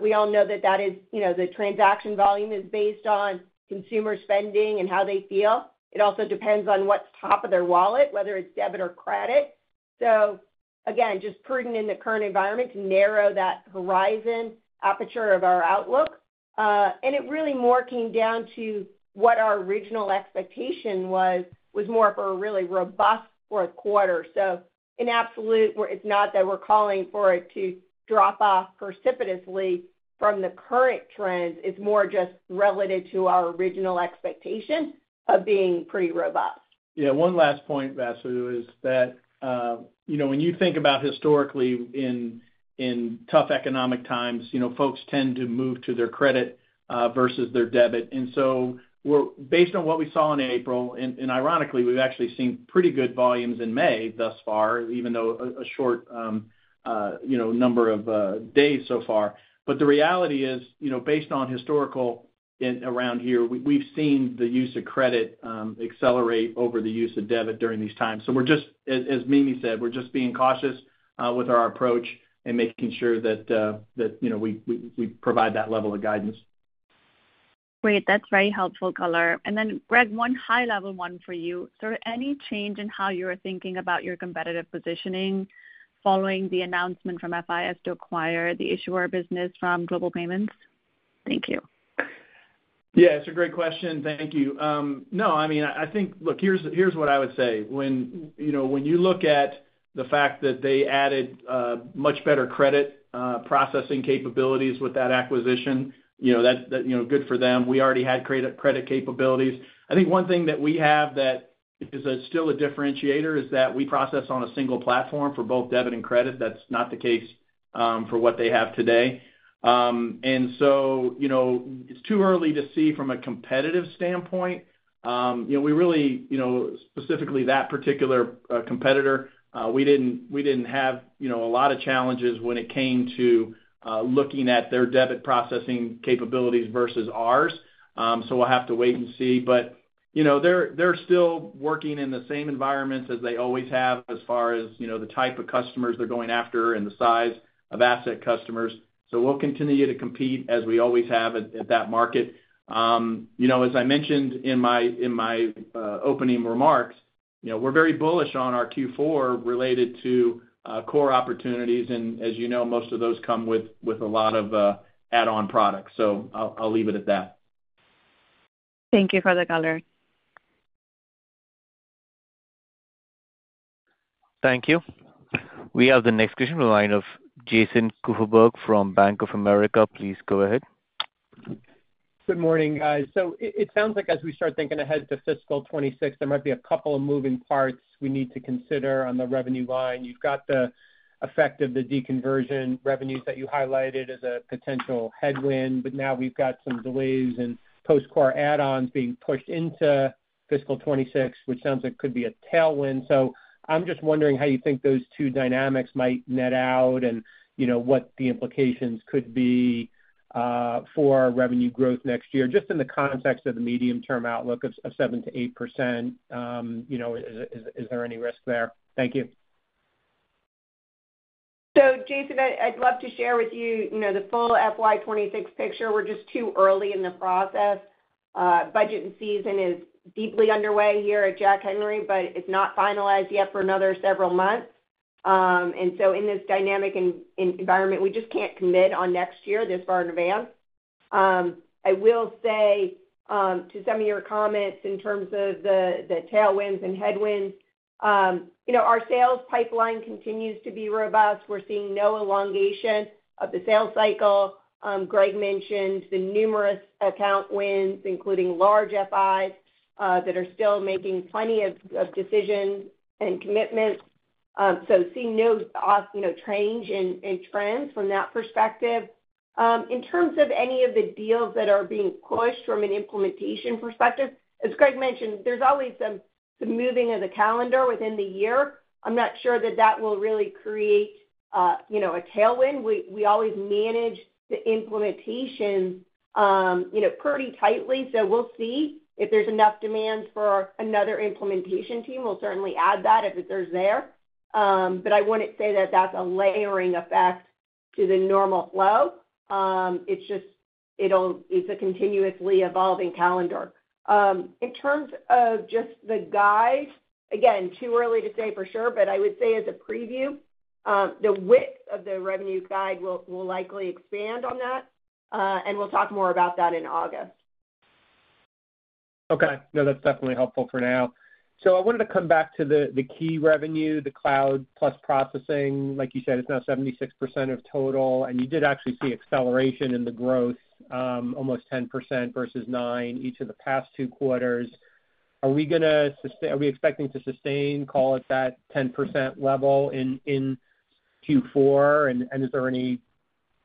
we all know that the transaction volume is based on consumer spending and how they feel. It also depends on what's top of their wallet, whether it's debit or credit. Again, just prudent in the current environment to narrow that horizon aperture of our outlook. It really more came down to what our original expectation was, which was more for a really robust fourth quarter. In absolute, it's not that we're calling for it to drop off precipitously from the current trends. It's more just relative to our original expectation of being pretty robust. Yeah. One last point, Vasu, is that when you think about historically in tough economic times, folks tend to move to their credit versus their debit. And so based on what we saw in April, and ironically, we've actually seen pretty good volumes in May thus far, even though a short number of days so far. The reality is, based on historical around here, we've seen the use of credit accelerate over the use of debit during these times. As Mimi said, we're just being cautious with our approach and making sure that we provide that level of guidance. Great. That's very helpful color. Then, Greg, one high-level one for you. Any change in how you're thinking about your competitive positioning following the announcement from FIS to acquire the issuer business from Global Payments? Thank you. Yeah. It's a great question. Thank you. No, I mean, I think, look, here's what I would say. When you look at the fact that they added much better credit processing capabilities with that acquisition, that's good for them. We already had credit capabilities. I think one thing that we have that is still a differentiator is that we process on a single platform for both debit and credit. That's not the case for what they have today. It's too early to see from a competitive standpoint. Specifically, that particular competitor, we didn't have a lot of challenges when it came to looking at their debit processing capabilities versus ours. We'll have to wait and see. They're still working in the same environments as they always have as far as the type of customers they're going after and the size of asset customers. We will continue to compete as we always have at that market. As I mentioned in my opening remarks, we're very bullish on our Q4 related to core opportunities. As you know, most of those come with a lot of add-on products. I'll leave it at that. Thank you for the color. Thank you. We have the next question from the line of Jason Kupferberg from Bank of America. Please go ahead. Good morning, guys. It sounds like as we start thinking ahead to fiscal 2026, there might be a couple of moving parts we need to consider on the revenue line. You've got the effect of the deconversion revenues that you highlighted as a potential headwind, but now we've got some delays and post-core add-ons being pushed into fiscal 2026, which sounds like could be a tailwind. I'm just wondering how you think those 2 dynamics might net out and what the implications could be for revenue growth next year, just in the context of the medium-term outlook of 7-8%. Is there any risk there? Thank you. Jason, I'd love to share with you the full fiscal year 2026 picture. We're just too early in the process. Budget season is deeply underway here at Jack Henry, but it's not finalized yet for another several months. In this dynamic environment, we just can't commit on next year this far in advance. I will say to some of your comments in terms of the tailwinds and headwinds, our sales pipeline continues to be robust. We're seeing no elongation of the sales cycle. Greg mentioned the numerous account wins, including large FIs that are still making plenty of decisions and commitments. Seeing no change in trends from that perspective. In terms of any of the deals that are being pushed from an implementation perspective, as Greg mentioned, there's always some moving of the calendar within the year. I'm not sure that that will really create a tailwind. We always manage the implementation pretty tightly. We'll see if there's enough demand for another implementation team. We'll certainly add that if it's there. I wouldn't say that that's a layering effect to the normal flow. It's a continuously evolving calendar. In terms of just the guide, again, too early to say for sure, but I would say as a preview, the width of the revenue guide will likely expand on that. We will talk more about that in August. Okay. No, that's definitely helpful for now. I wanted to come back to the key revenue, the cloud plus processing. Like you said, it's now 76% of total. You did actually see acceleration in the growth, almost 10% versus 9% each of the past two quarters. Are we expecting to sustain, call it that, 10% level in Q4? Is there any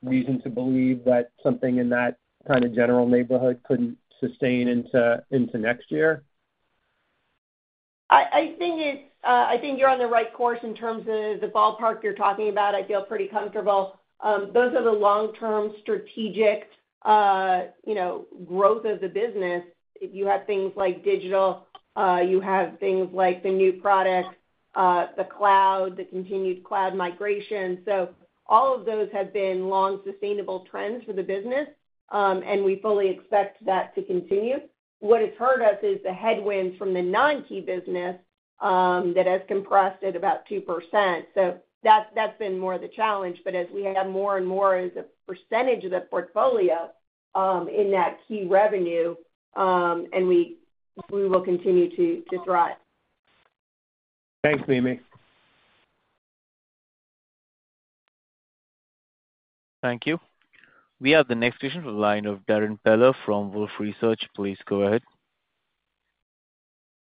reason to believe that something in that kind of general neighborhood could not sustain into next year? I think you're on the right course in terms of the ballpark you're talking about. I feel pretty comfortable. Those are the long-term strategic growth of the business. You have things like digital. You have things like the new products, the cloud, the continued cloud migration. All of those have been long-sustainable trends for the business, and we fully expect that to continue. What has hurt us is the headwinds from the non-key business that has compressed at about 2%. That has been more of the challenge. As we have more and more as a percentage of the portfolio in that key revenue, we will continue to thrive. Thanks, Mimi. Thank you. We have the next question from the line of Darrin Peller from Wolfe Research. Please go ahead.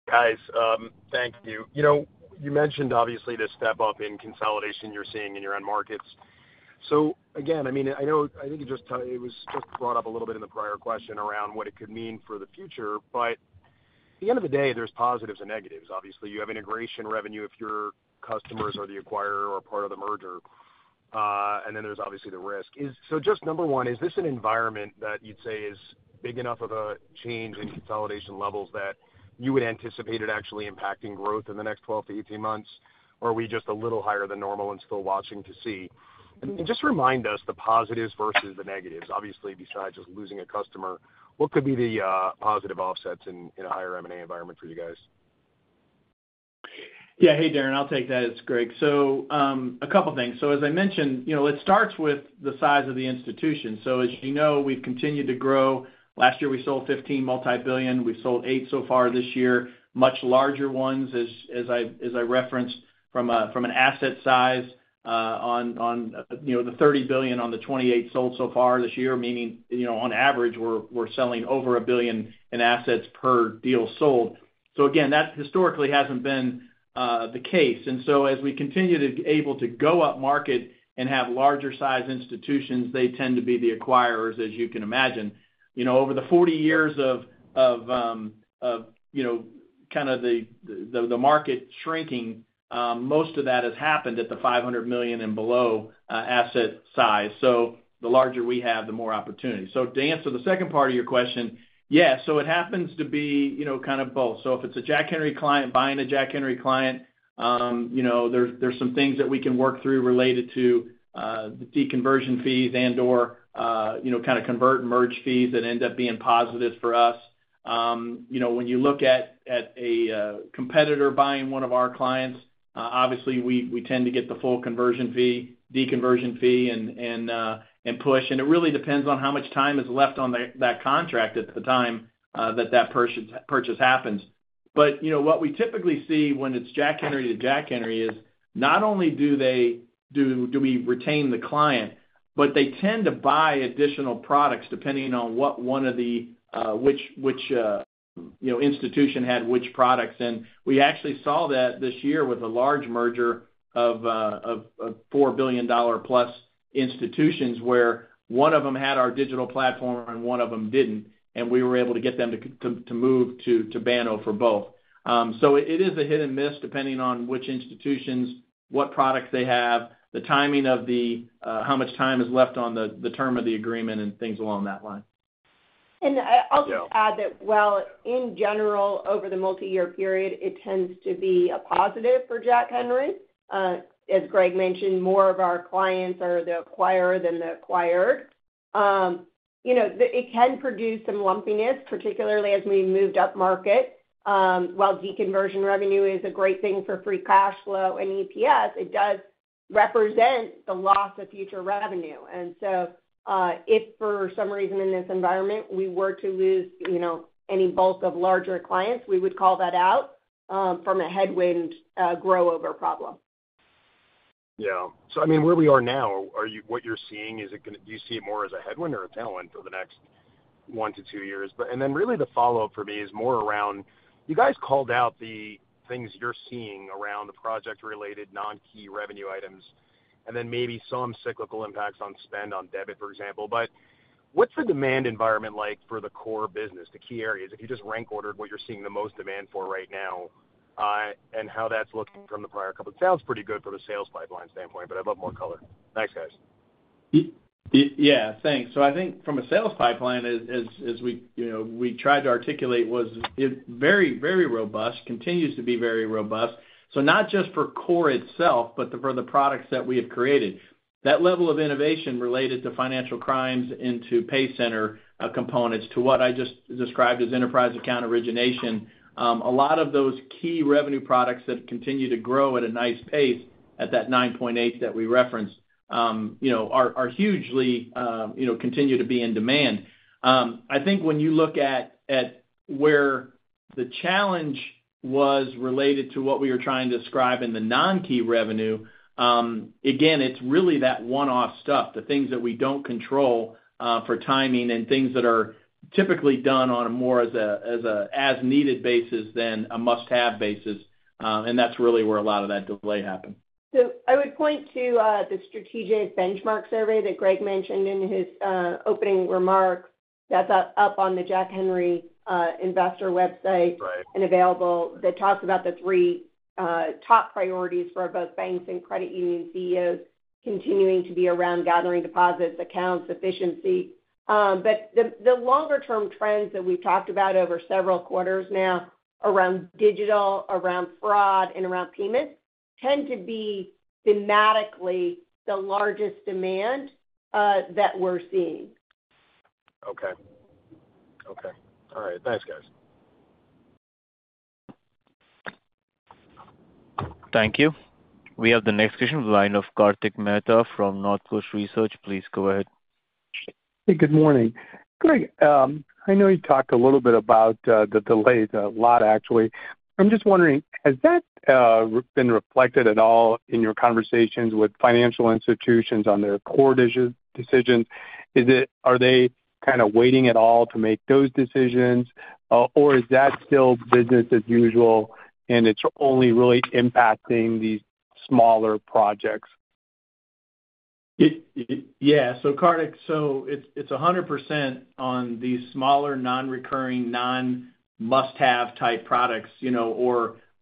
Hi, guys. Thank you. You mentioned, obviously, the step-up in consolidation you're seeing in your end markets. I think it was just brought up a little bit in the prior question around what it could mean for the future. At the end of the day, there's positives and negatives. Obviously, you have integration revenue if your customers are the acquirer or part of the merger. Then there's obviously the risk. Just number one, is this an environment that you'd say is big enough of a change in consolidation levels that you would anticipate it actually impacting growth in the next 12 to 18 months, or are we just a little higher than normal and still watching to see? Just remind us the positives versus the negatives. Obviously, besides just losing a customer, what could be the positive offsets in a higher M&A environment for you guys? Yeah. Hey, Darrin. I'll take that as Greg. A couple of things. As I mentioned, it starts with the size of the institution. As you know, we've continued to grow. Last year, we sold 15 multibillion. We've sold 8 so far this year. Much larger ones, as I referenced from an asset size on the $30 billion on the 28 sold so far this year, meaning on average, we're selling over $1 billion in assets per deal sold. That historically hasn't been the case. As we continue to be able to go upmarket and have larger-sized institutions, they tend to be the acquirers, as you can imagine. Over the forty years of kind of the market shrinking, most of that has happened at the $500 million and below asset size. The larger we have, the more opportunity. To answer the second part of your question, yes. It happens to be kind of both. If it's a Jack Henry client buying a Jack Henry client, there are some things that we can work through related to the deconversion fees and/or kind of convert and merge fees that end up being positive for us. When you look at a competitor buying one of our clients, obviously, we tend to get the full conversion fee, deconversion fee, and push. It really depends on how much time is left on that contract at the time that that purchase happens. What we typically see when it's Jack Henry to Jack Henry is not only do we retain the client, but they tend to buy additional products depending on which institution had which products. We actually saw that this year with a large merger of $4 billion-plus institutions where one of them had our digital platform and one of them did not. We were able to get them to move to Banno for both. It is a hit and miss depending on which institutions, what products they have, the timing of how much time is left on the term of the agreement, and things along that line. I'll just add that, in general, over the multi-year period, it tends to be a positive for Jack Henry. As Greg mentioned, more of our clients are the acquirer than the acquired. It can produce some lumpiness, particularly as we moved upmarket. While deconversion revenue is a great thing for free cash flow and EPS, it does represent the loss of future revenue. If for some reason in this environment we were to lose any bulk of larger clients, we would call that out from a headwind grow-over problem. Yeah. I mean, where we are now, what you're seeing, do you see it more as a headwind or a tailwind for the next 1 to 2 years? The follow-up for me is more around you guys called out the things you're seeing around the project-related non-key revenue items and then maybe some cyclical impacts on spend on debit, for example. What's the demand environment like for the core business, the key areas? If you just rank-ordered what you're seeing the most demand for right now and how that's looking from the prior couple of—sounds pretty good from a sales pipeline standpoint, but I'd love more color. Thanks, guys. Yeah. Thanks. I think from a sales pipeline, as we tried to articulate, was very, very robust, continues to be very robust. Not just for core itself, but for the products that we have created. That level of innovation related to financial crimes into PayCenter components to what I just described as enterprise account origination, a lot of those key revenue products that continue to grow at a nice pace at that 9.8% that we referenced are hugely continue to be in demand. I think when you look at where the challenge was related to what we were trying to describe in the non-key revenue, again, it's really that one-off stuff, the things that we don't control for timing and things that are typically done on a more as-needed basis than a must-have basis. That's really where a lot of that delay happened. I would point to the strategic benchmark survey that Greg mentioned in his opening remarks. That's up on the Jack Henry Investor website and available. That talks about the 3 top priorities for both banks and credit union CEOs continuing to be around gathering deposits, accounts, efficiency. The longer-term trends that we've talked about over several quarters now around digital, around fraud, and around payments tend to be thematically the largest demand that we're seeing. Okay. Okay. All right. Thanks, guys. Thank you. We have the next question from the line of Karthik Mehta from Northcoast Research. Please go ahead. Hey, good morning. Greg, I know you talked a little bit about the delays, a lot actually. I'm just wondering, has that been reflected at all in your conversations with financial institutions on their core decisions? Are they kind of waiting at all to make those decisions, or is that still business as usual, and it's only really impacting these smaller projects? Yeah. Karthik, it's 100% on these smaller non-recurring, non-must-have type products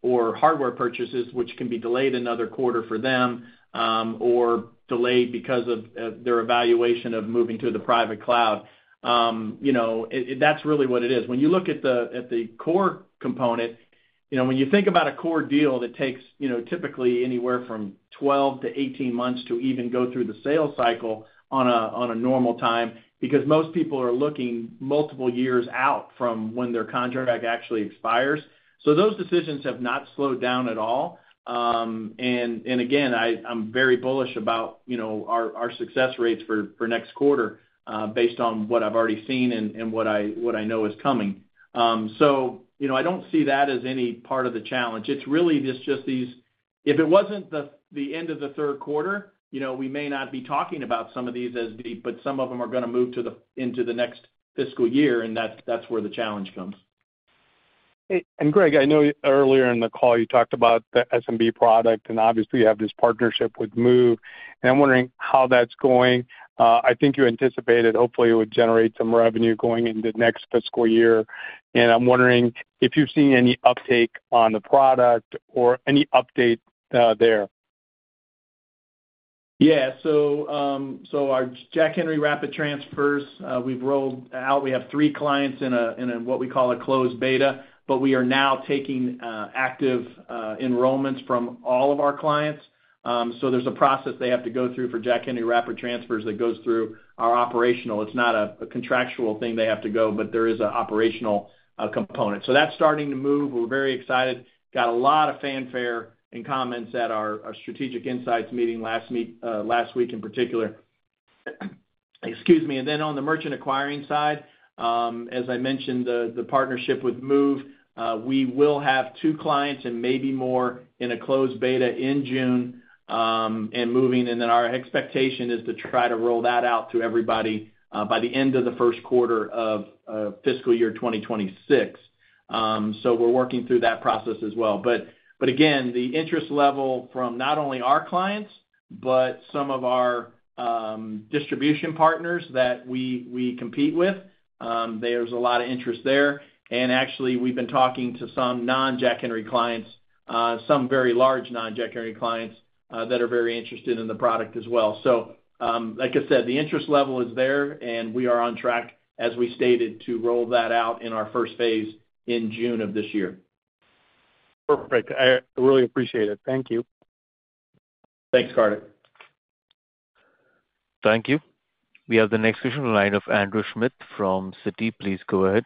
or hardware purchases, which can be delayed another quarter for them or delayed because of their evaluation of moving to the private cloud. That's really what it is. When you look at the core component, when you think about a core deal that takes typically anywhere from 12-18 months to even go through the sales cycle on a normal time because most people are looking multiple years out from when their contract actually expires. Those decisions have not slowed down at all. I am very bullish about our success rates for next quarter based on what I've already seen and what I know is coming. I don't see that as any part of the challenge. It's really just these—if it wasn't the end of the third quarter, we may not be talking about some of these as deep, but some of them are going to move into the next fiscal year, and that's where the challenge comes. Greg, I know earlier in the call you talked about the SMB product, and obviously, you have this partnership with Move. I'm wondering how that's going. I think you anticipated hopefully it would generate some revenue going into next fiscal year. I'm wondering if you've seen any uptake on the product or any update there. Yeah. Our Jack Henry Rapid Transfers, we've rolled out. We have 3 clients in what we call a closed beta, but we are now taking active enrollments from all of our clients. There is a process they have to go through for Jack Henry Rapid Transfers that goes through our operational. It is not a contractual thing they have to go, but there is an operational component. That is starting to move. We are very excited. Got a lot of fanfare and comments at our strategic insights meeting last week in particular. Excuse me. On the merchant acquiring side, as I mentioned, the partnership with Moov, we will have 2 clients and maybe more in a closed beta in June and moving. Our expectation is to try to roll that out to everybody by the end of the first quarter of fiscal year 2026. We are working through that process as well. Again, the interest level from not only our clients, but some of our distribution partners that we compete with, there is a lot of interest there. Actually, we've been talking to some non-Jack Henry clients, some very large non-Jack Henry clients that are very interested in the product as well. Like I said, the interest level is there, and we are on track, as we stated, to roll that out in our first phase in June of this year. Perfect. I really appreciate it. Thank you. Thanks, Karthik. Thank you. We have the next question from the line of Andrew Smith from Citi. Please go ahead.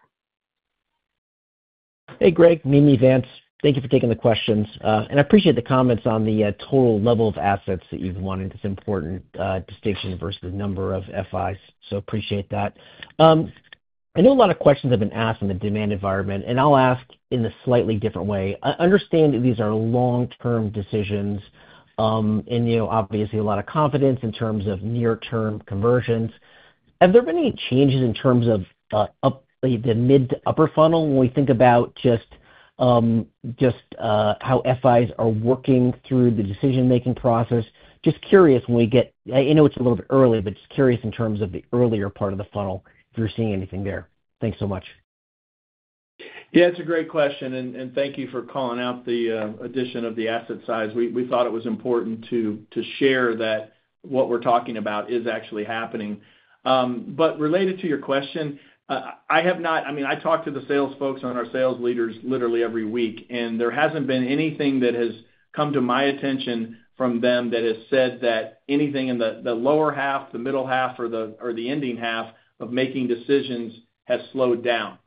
Hey, Greg. Mimi, Vance. Thank you for taking the questions. I appreciate the comments on the total level of assets that you've wanted. It's an important distinction versus the number of FIs. Appreciate that. I know a lot of questions have been asked in the demand environment, and I'll ask in a slightly different way. I understand that these are long-term decisions and obviously a lot of confidence in terms of near-term conversions. Have there been any changes in terms of the mid to upper funnel when we think about just how FIs are working through the decision-making process? Just curious when we get—I know it's a little bit early, but just curious in terms of the earlier part of the funnel if you're seeing anything there. Thanks so much. Yeah. It's a great question. Thank you for calling out the addition of the asset size. We thought it was important to share that what we're talking about is actually happening. Related to your question, I have not—I mean, I talk to the sales folks and our sales leaders literally every week, and there has not been anything that has come to my attention from them that has said that anything in the lower half, the middle half, or the ending half of making decisions has slowed down.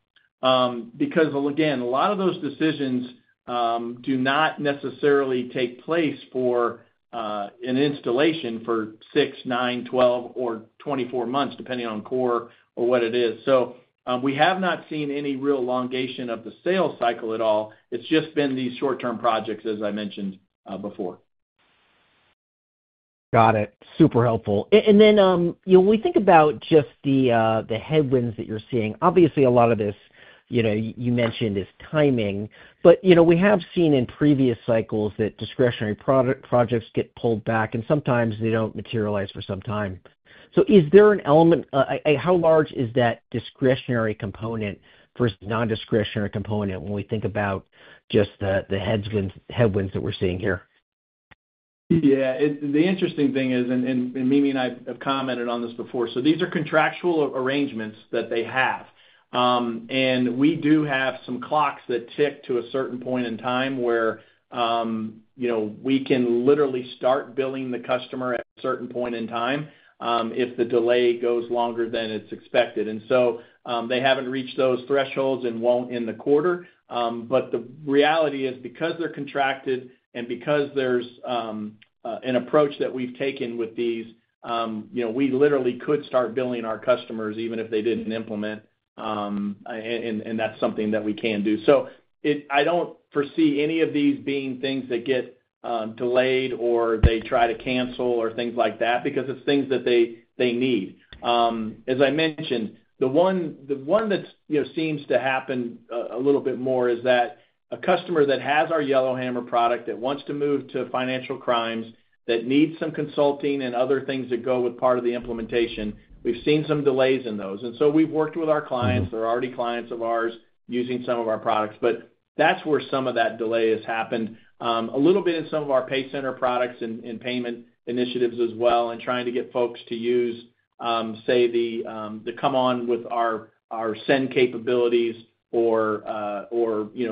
Again, a lot of those decisions do not necessarily take place for an installation for 6, 9, 12, or 24 months, depending on core or what it is. We have not seen any real longation of the sales cycle at all. It has just been these short-term projects, as I mentioned before. Got it. Super helpful. When we think about just the headwinds that you are seeing, obviously a lot of this you mentioned is timing. We have seen in previous cycles that discretionary projects get pulled back, and sometimes they do not materialize for some time. Is there an element—how large is that discretionary component versus non-discretionary component when we think about just the headwinds that we are seeing here? Yeah. The interesting thing is—Mimi and I have commented on this before—these are contractual arrangements that they have. We do have some clocks that tick to a certain point in time where we can literally start billing the customer at a certain point in time if the delay goes longer than expected. They have not reached those thresholds and will not in the quarter. The reality is because they are contracted and because there is an approach that we have taken with these, we literally could start billing our customers even if they did not implement. That is something that we can do. I do not foresee any of these being things that get delayed or they try to cancel or things like that because it is things that they need. As I mentioned, the one that seems to happen a little bit more is that a customer that has our Yellowhammer product that wants to move to Financial Crimes Defender that needs some consulting and other things that go with part of the implementation, we have seen some delays in those. We have worked with our clients. They are already clients of ours using some of our products. That is where some of that delay has happened. A little bit in some of our PayCenter products and payment initiatives as well and trying to get folks to use, say, the come on with our send capabilities or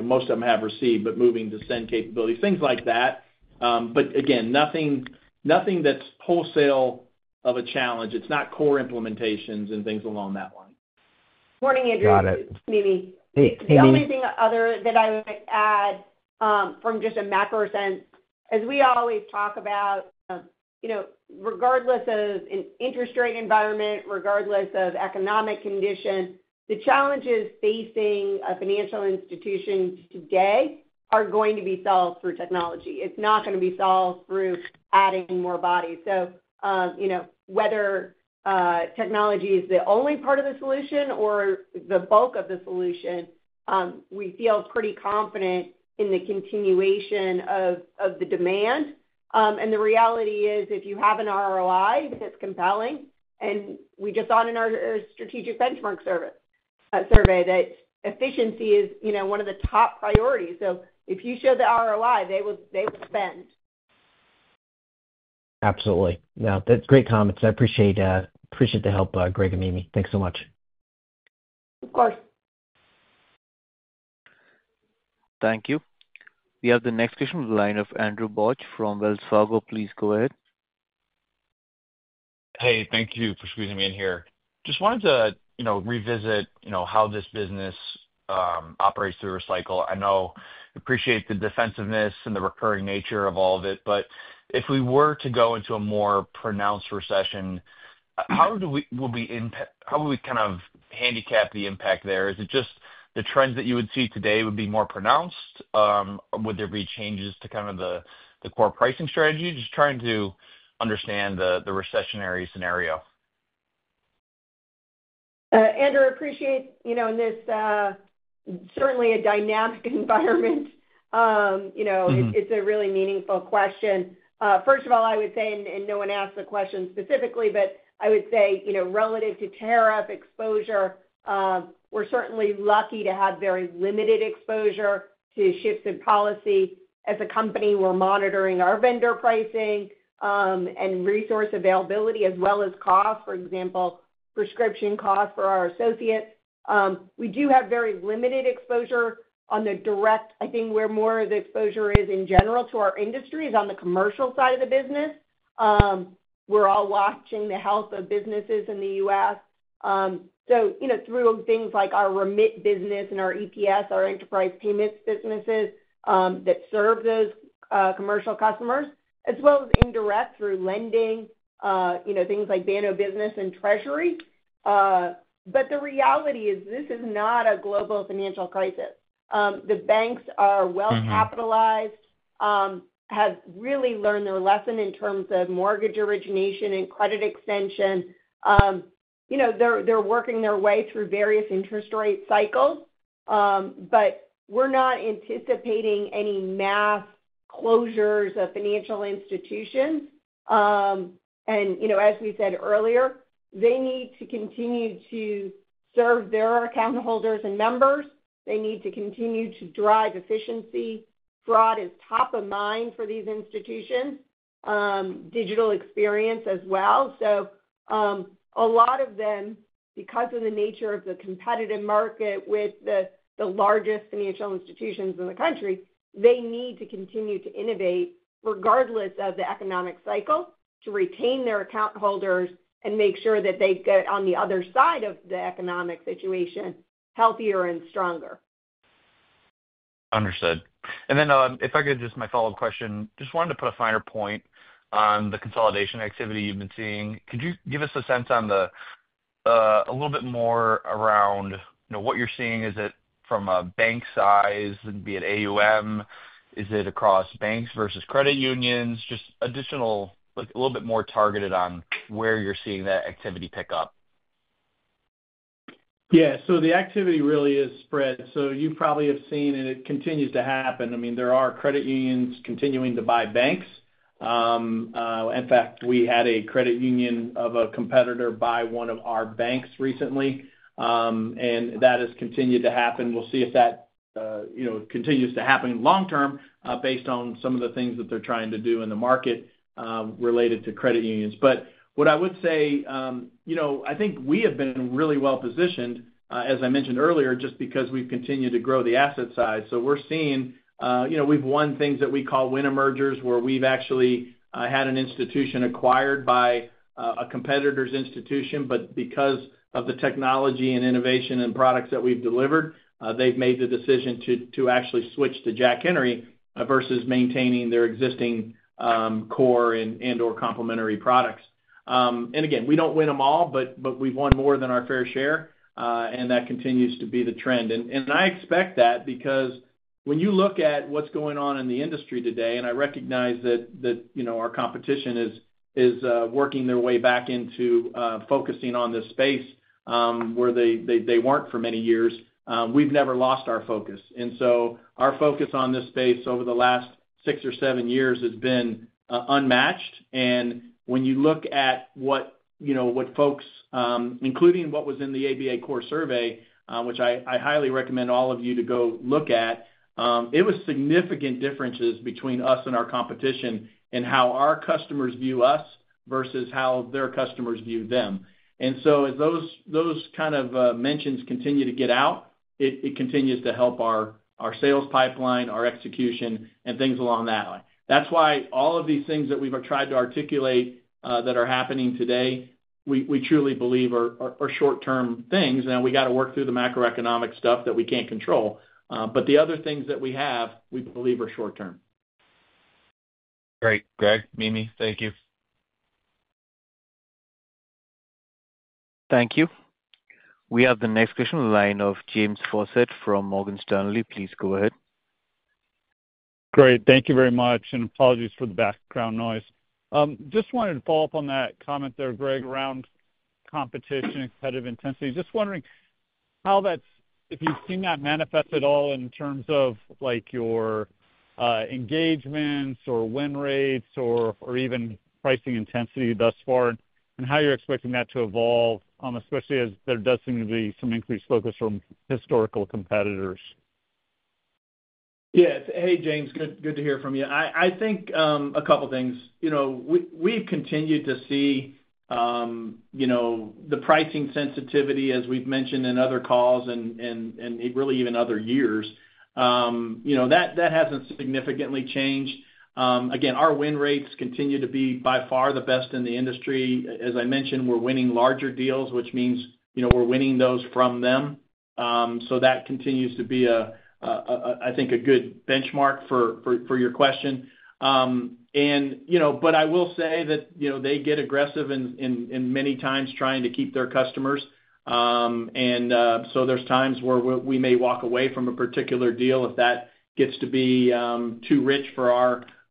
most of them have received, but moving to send capabilities, things like that. Again, nothing that's wholesale of a challenge. It's not core implementations and things along that line. Morning, Andrew. This is Mimi. The only thing other that I would add from just a macro sense, as we always talk about, regardless of an interest rate environment, regardless of economic condition, the challenges facing financial institutions today are going to be solved through technology. It's not going to be solved through adding more bodies. Whether technology is the only part of the solution or the bulk of the solution, we feel pretty confident in the continuation of the demand. The reality is if you have an ROI that's compelling, and we just saw in our strategic benchmark survey that efficiency is one of the top priorities. If you show the ROI, they will spend. Absolutely. Yeah. That's great comments. I appreciate the help, Greg and Mimi. Thanks so much. Of course. Thank you. We have the next question from the line of Andrew Bauch from Wells Fargo. Please go ahead. Hey, thank you for squeezing me in here. Just wanted to revisit how this business operates through a cycle. I know I appreciate the defensiveness and the recurring nature of all of it, but if we were to go into a more pronounced recession, how would we kind of handicap the impact there? Is it just the trends that you would see today would be more pronounced? Would there be changes to kind of the core pricing strategy? Just trying to understand the recessionary scenario. Andrew, I appreciate this certainly a dynamic environment. It's a really meaningful question. First of all, I would say, and no one asked the question specifically, but I would say relative to tariff exposure, we're certainly lucky to have very limited exposure to shifts in policy. As a company, we're monitoring our vendor pricing and resource availability as well as costs. For example, prescription costs for our associates. We do have very limited exposure on the direct. I think where more of the exposure is in general to our industry is on the commercial side of the business. We're all watching the health of businesses in the U.S. Through things like our remit business and our EPS, our enterprise payments businesses that serve those commercial customers, as well as indirect through lending, things like Banno Business and treasury. The reality is this is not a global financial crisis. The banks are well capitalized, have really learned their lesson in terms of mortgage origination and credit extension. They are working their way through various interest rate cycles. We are not anticipating any mass closures of financial institutions. As we said earlier, they need to continue to serve their account holders and members. They need to continue to drive efficiency. Fraud is top of mind for these institutions. Digital experience as well. A lot of them, because of the nature of the competitive market with the largest financial institutions in the country, need to continue to innovate regardless of the economic cycle to retain their account holders and make sure that they get on the other side of the economic situation healthier and stronger. Understood. If I could just, my follow-up question, just wanted to put a finer point on the consolidation activity you have been seeing. Could you give us a sense on a little bit more around what you're seeing? Is it from a bank size, be it AUM? Is it across banks versus credit unions? Just a little bit more targeted on where you're seeing that activity pick up. Yeah. The activity really is spread. You probably have seen it. It continues to happen. I mean, there are credit unions continuing to buy banks. In fact, we had a credit union of a competitor buy one of our banks recently. That has continued to happen. We'll see if that continues to happen long-term based on some of the things that they're trying to do in the market related to credit unions. What I would say, I think we have been really well positioned, as I mentioned earlier, just because we've continued to grow the asset size. We're seeing we've won things that we call winner mergers where we've actually had an institution acquired by a competitor's institution. Because of the technology and innovation and products that we've delivered, they've made the decision to actually switch to Jack Henry versus maintaining their existing core and/or complementary products. Again, we don't win them all, but we've won more than our fair share. That continues to be the trend. I expect that because when you look at what's going on in the industry today, and I recognize that our competition is working their way back into focusing on this space where they weren't for many years, we've never lost our focus. Our focus on this space over the last 6 or 7 years has been unmatched. When you look at what folks, including what was in the ABA core survey, which I highly recommend all of you to go look at, it was significant differences between us and our competition in how our customers view us versus how their customers view them. As those kind of mentions continue to get out, it continues to help our sales pipeline, our execution, and things along that line. That is why all of these things that we have tried to articulate that are happening today, we truly believe are short-term things. We got to work through the macroeconomic stuff that we cannot control. The other things that we have, we believe are short-term. Great. Greg, Mimi, thank you. Thank you. We have the next question from the line of James Faucette from Morgan Stanley. Please go ahead. Great. Thank you very much. Apologies for the background noise. Just wanted to follow up on that comment there, Greg, around competition, competitive intensity. Just wondering how that's if you've seen that manifest at all in terms of your engagements or win rates or even pricing intensity thus far, and how you're expecting that to evolve, especially as there does seem to be some increased focus from historical competitors. Yeah. Hey, James. Good to hear from you. I think a couple of things. We've continued to see the pricing sensitivity, as we've mentioned in other calls and really even other years. That hasn't significantly changed. Again, our win rates continue to be by far the best in the industry. As I mentioned, we're winning larger deals, which means we're winning those from them. That continues to be, I think, a good benchmark for your question. I will say that they get aggressive in many times trying to keep their customers. There are times where we may walk away from a particular deal if that gets to be too rich for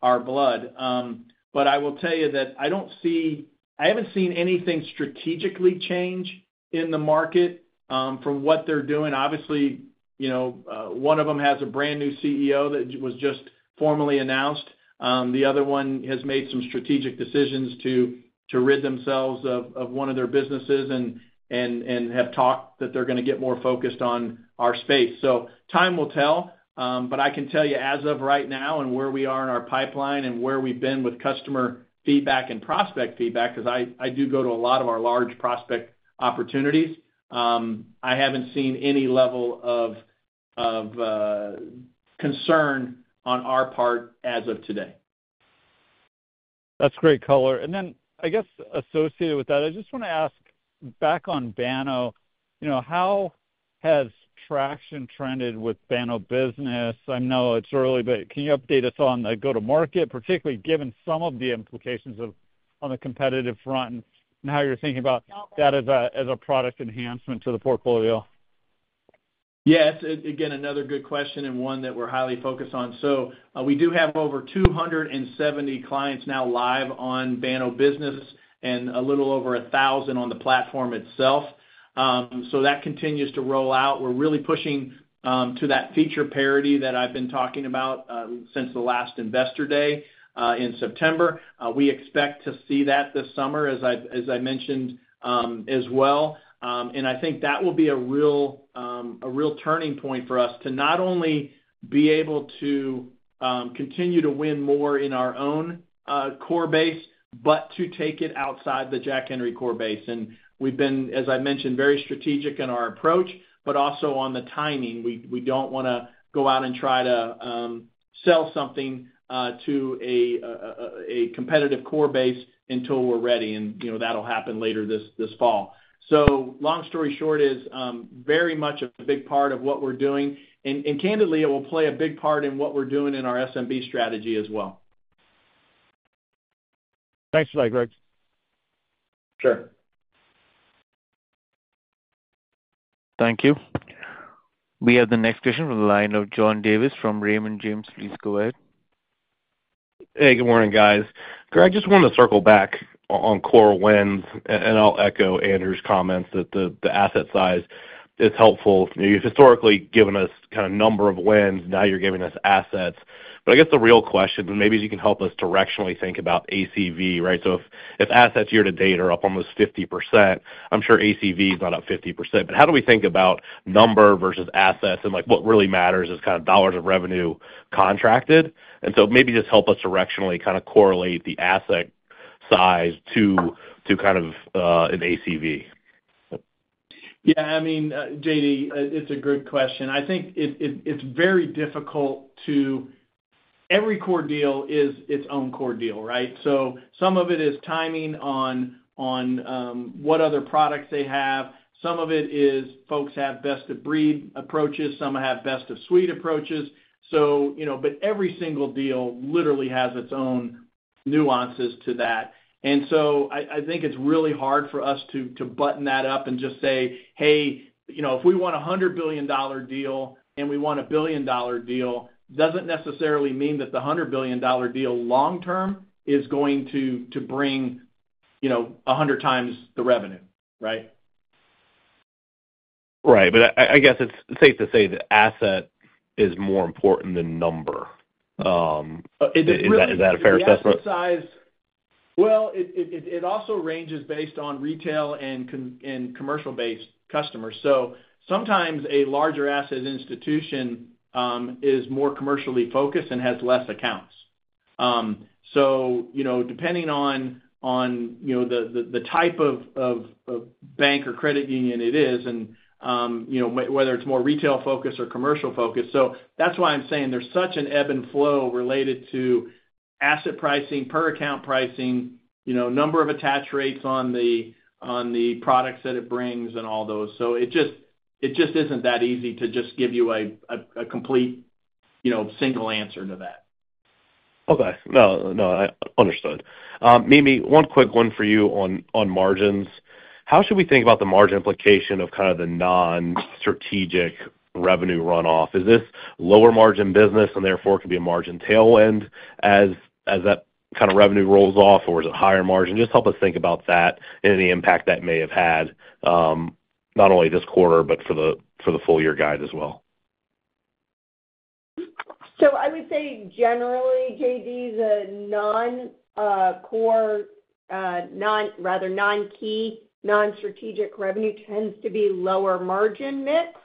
our blood. I will tell you that I do not see, I have not seen anything strategically change in the market from what they are doing. Obviously, one of them has a brand new CEO that was just formally announced. The other one has made some strategic decisions to rid themselves of one of their businesses and have talked that they are going to get more focused on our space. Time will tell. But I can tell you as of right now and where we are in our pipeline and where we've been with customer feedback and prospect feedback, because I do go to a lot of our large prospect opportunities, I haven't seen any level of concern on our part as of today. That's great color. I just want to ask back on Banno, how has traction trended with Banno Business? I know it's early, but can you update us on the go-to-market, particularly given some of the implications on the competitive front and how you're thinking about that as a product enhancement to the portfolio? Yeah. Again, another good question and one that we're highly focused on. We do have over 270 clients now live on Banno Business and a little over 1,000 on the platform itself. That continues to roll out. We're really pushing to that feature parity that I've been talking about since the last investor day in September. We expect to see that this summer, as I mentioned, as well. I think that will be a real turning point for us to not only be able to continue to win more in our own core base, but to take it outside the Jack Henry core base. We've been, as I mentioned, very strategic in our approach, but also on the timing. We don't want to go out and try to sell something to a competitive core base until we're ready. That'll happen later this fall. Long story short, it is very much a big part of what we're doing. Candidly, it will play a big part in what we're doing in our SMB strategy as well. Thanks for that, Greg. Sure. Thank you. We have the next question from the line of John Davis from Raymond James. Please go ahead. Hey, good morning, guys. Greg, I just wanted to circle back on core wins. I will echo Andrew's comments that the asset size is helpful. You have historically given us kind of number of wins. Now you are giving us assets. I guess the real question, and maybe you can help us directionally think about ACV, right? If assets year to date are up almost 50%, I am sure ACV is not up 50%. How do we think about number versus assets and what really matters is kind of dollars of revenue contracted? Maybe just help us directionally kind of correlate the asset size to kind of an ACV. Yeah. I mean, JD, it is a good question. I think it's very difficult to every core deal is its own core deal, right? Some of it is timing on what other products they have. Some of it is folks have best of breed approaches. Some have best of suite approaches. Every single deal literally has its own nuances to that. I think it's really hard for us to button that up and just say, "Hey, if we want a $100 billion deal and we want a billion dollar deal, doesn't necessarily mean that the $100 billion deal long-term is going to bring 100 times the revenue," right? I guess it's safe to say the asset is more important than number. Is that a fair assessment? It also ranges based on retail and commercial-based customers. Sometimes a larger asset institution is more commercially focused and has less accounts. Depending on the type of bank or credit union it is and whether it's more retail-focused or commercial-focused, that's why I'm saying there's such an ebb and flow related to asset pricing, per account pricing, number of attach rates on the products that it brings, and all those. It just isn't that easy to just give you a complete single answer to that. Okay. No, no. Understood. Mimi, one quick one for you on margins. How should we think about the margin implication of kind of the non-strategic revenue runoff? Is this lower margin business and therefore can be a margin tailwind as that kind of revenue rolls off, or is it higher margin? Just help us think about that and the impact that may have had not only this quarter but for the full year guide as well. I would say generally, JD, the non-core, rather non-key, non-strategic revenue tends to be lower margin mix.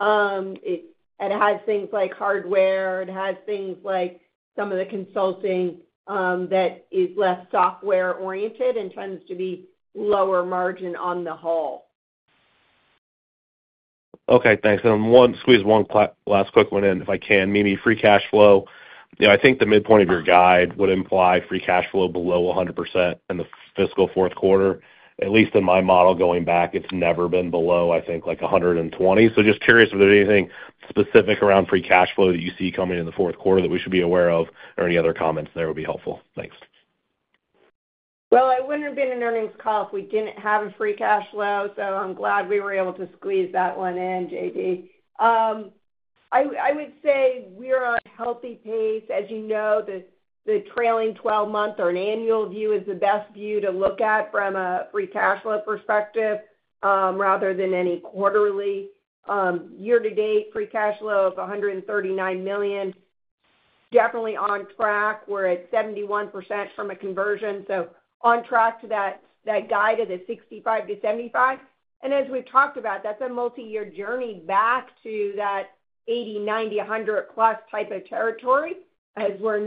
It has things like hardware. It has things like some of the consulting that is less software-oriented and tends to be lower margin on the whole. Okay. Thanks. I'm going to squeeze one last quick one in if I can. Mimi, free cash flow. I think the midpoint of your guide would imply free cash flow below 100% in the fiscal fourth quarter. At least in my model going back, it's never been below, I think, like 120. Just curious if there's anything specific around free cash flow that you see coming in the fourth quarter that we should be aware of or any other comments there would be helpful. Thanks. I wouldn't have been an earnings call if we didn't have a free cash flow. I'm glad we were able to squeeze that one in, JD. I would say we're on a healthy pace. As you know, the trailing 12-month or an annual view is the best view to look at from a free cash flow perspective rather than any quarterly. Year-to-date free cash flow of $139 million, definitely on track. We're at 71% from a conversion. On track to that guide of the 65-75%. As we've talked about, that's a multi-year journey back to that 80, 90, 100-plus type of territory as we're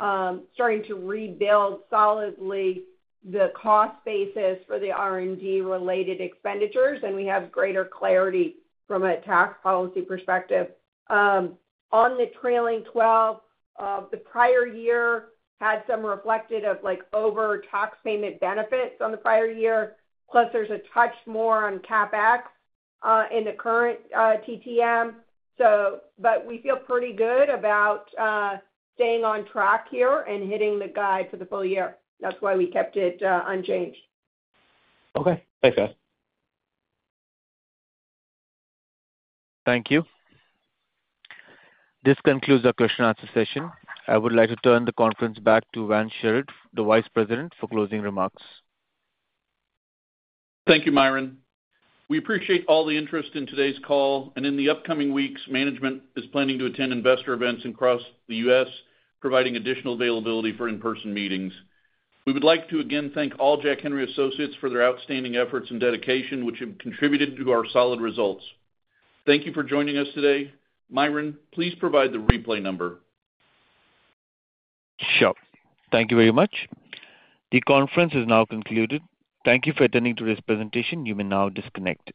now starting to rebuild solidly the cost basis for the R&D-related expenditures. We have greater clarity from a tax policy perspective. On the trailing 12, the prior year had some reflected of over tax payment benefits on the prior year. Plus, there's a touch more on CapEx in the current TTM. We feel pretty good about staying on track here and hitting the guide for the full year. That is why we kept it unchanged. Okay. Thanks, guys. Thank you. This concludes our question-and-answer session. I would like to turn the conference back to Vance Sherard, the Vice President, for closing remarks. Thank you, Myron. We appreciate all the interest in today's call. In the upcoming weeks, management is planning to attend investor events across the U.S., providing additional availability for in-person meetings. We would like to again thank all Jack Henry & Associates for their outstanding efforts and dedication, which have contributed to our solid results. Thank you for joining us today. Myron, please provide the replay number. Sure. Thank you very much. The conference is now concluded. Thank you for attending today's presentation. You may now disconnect.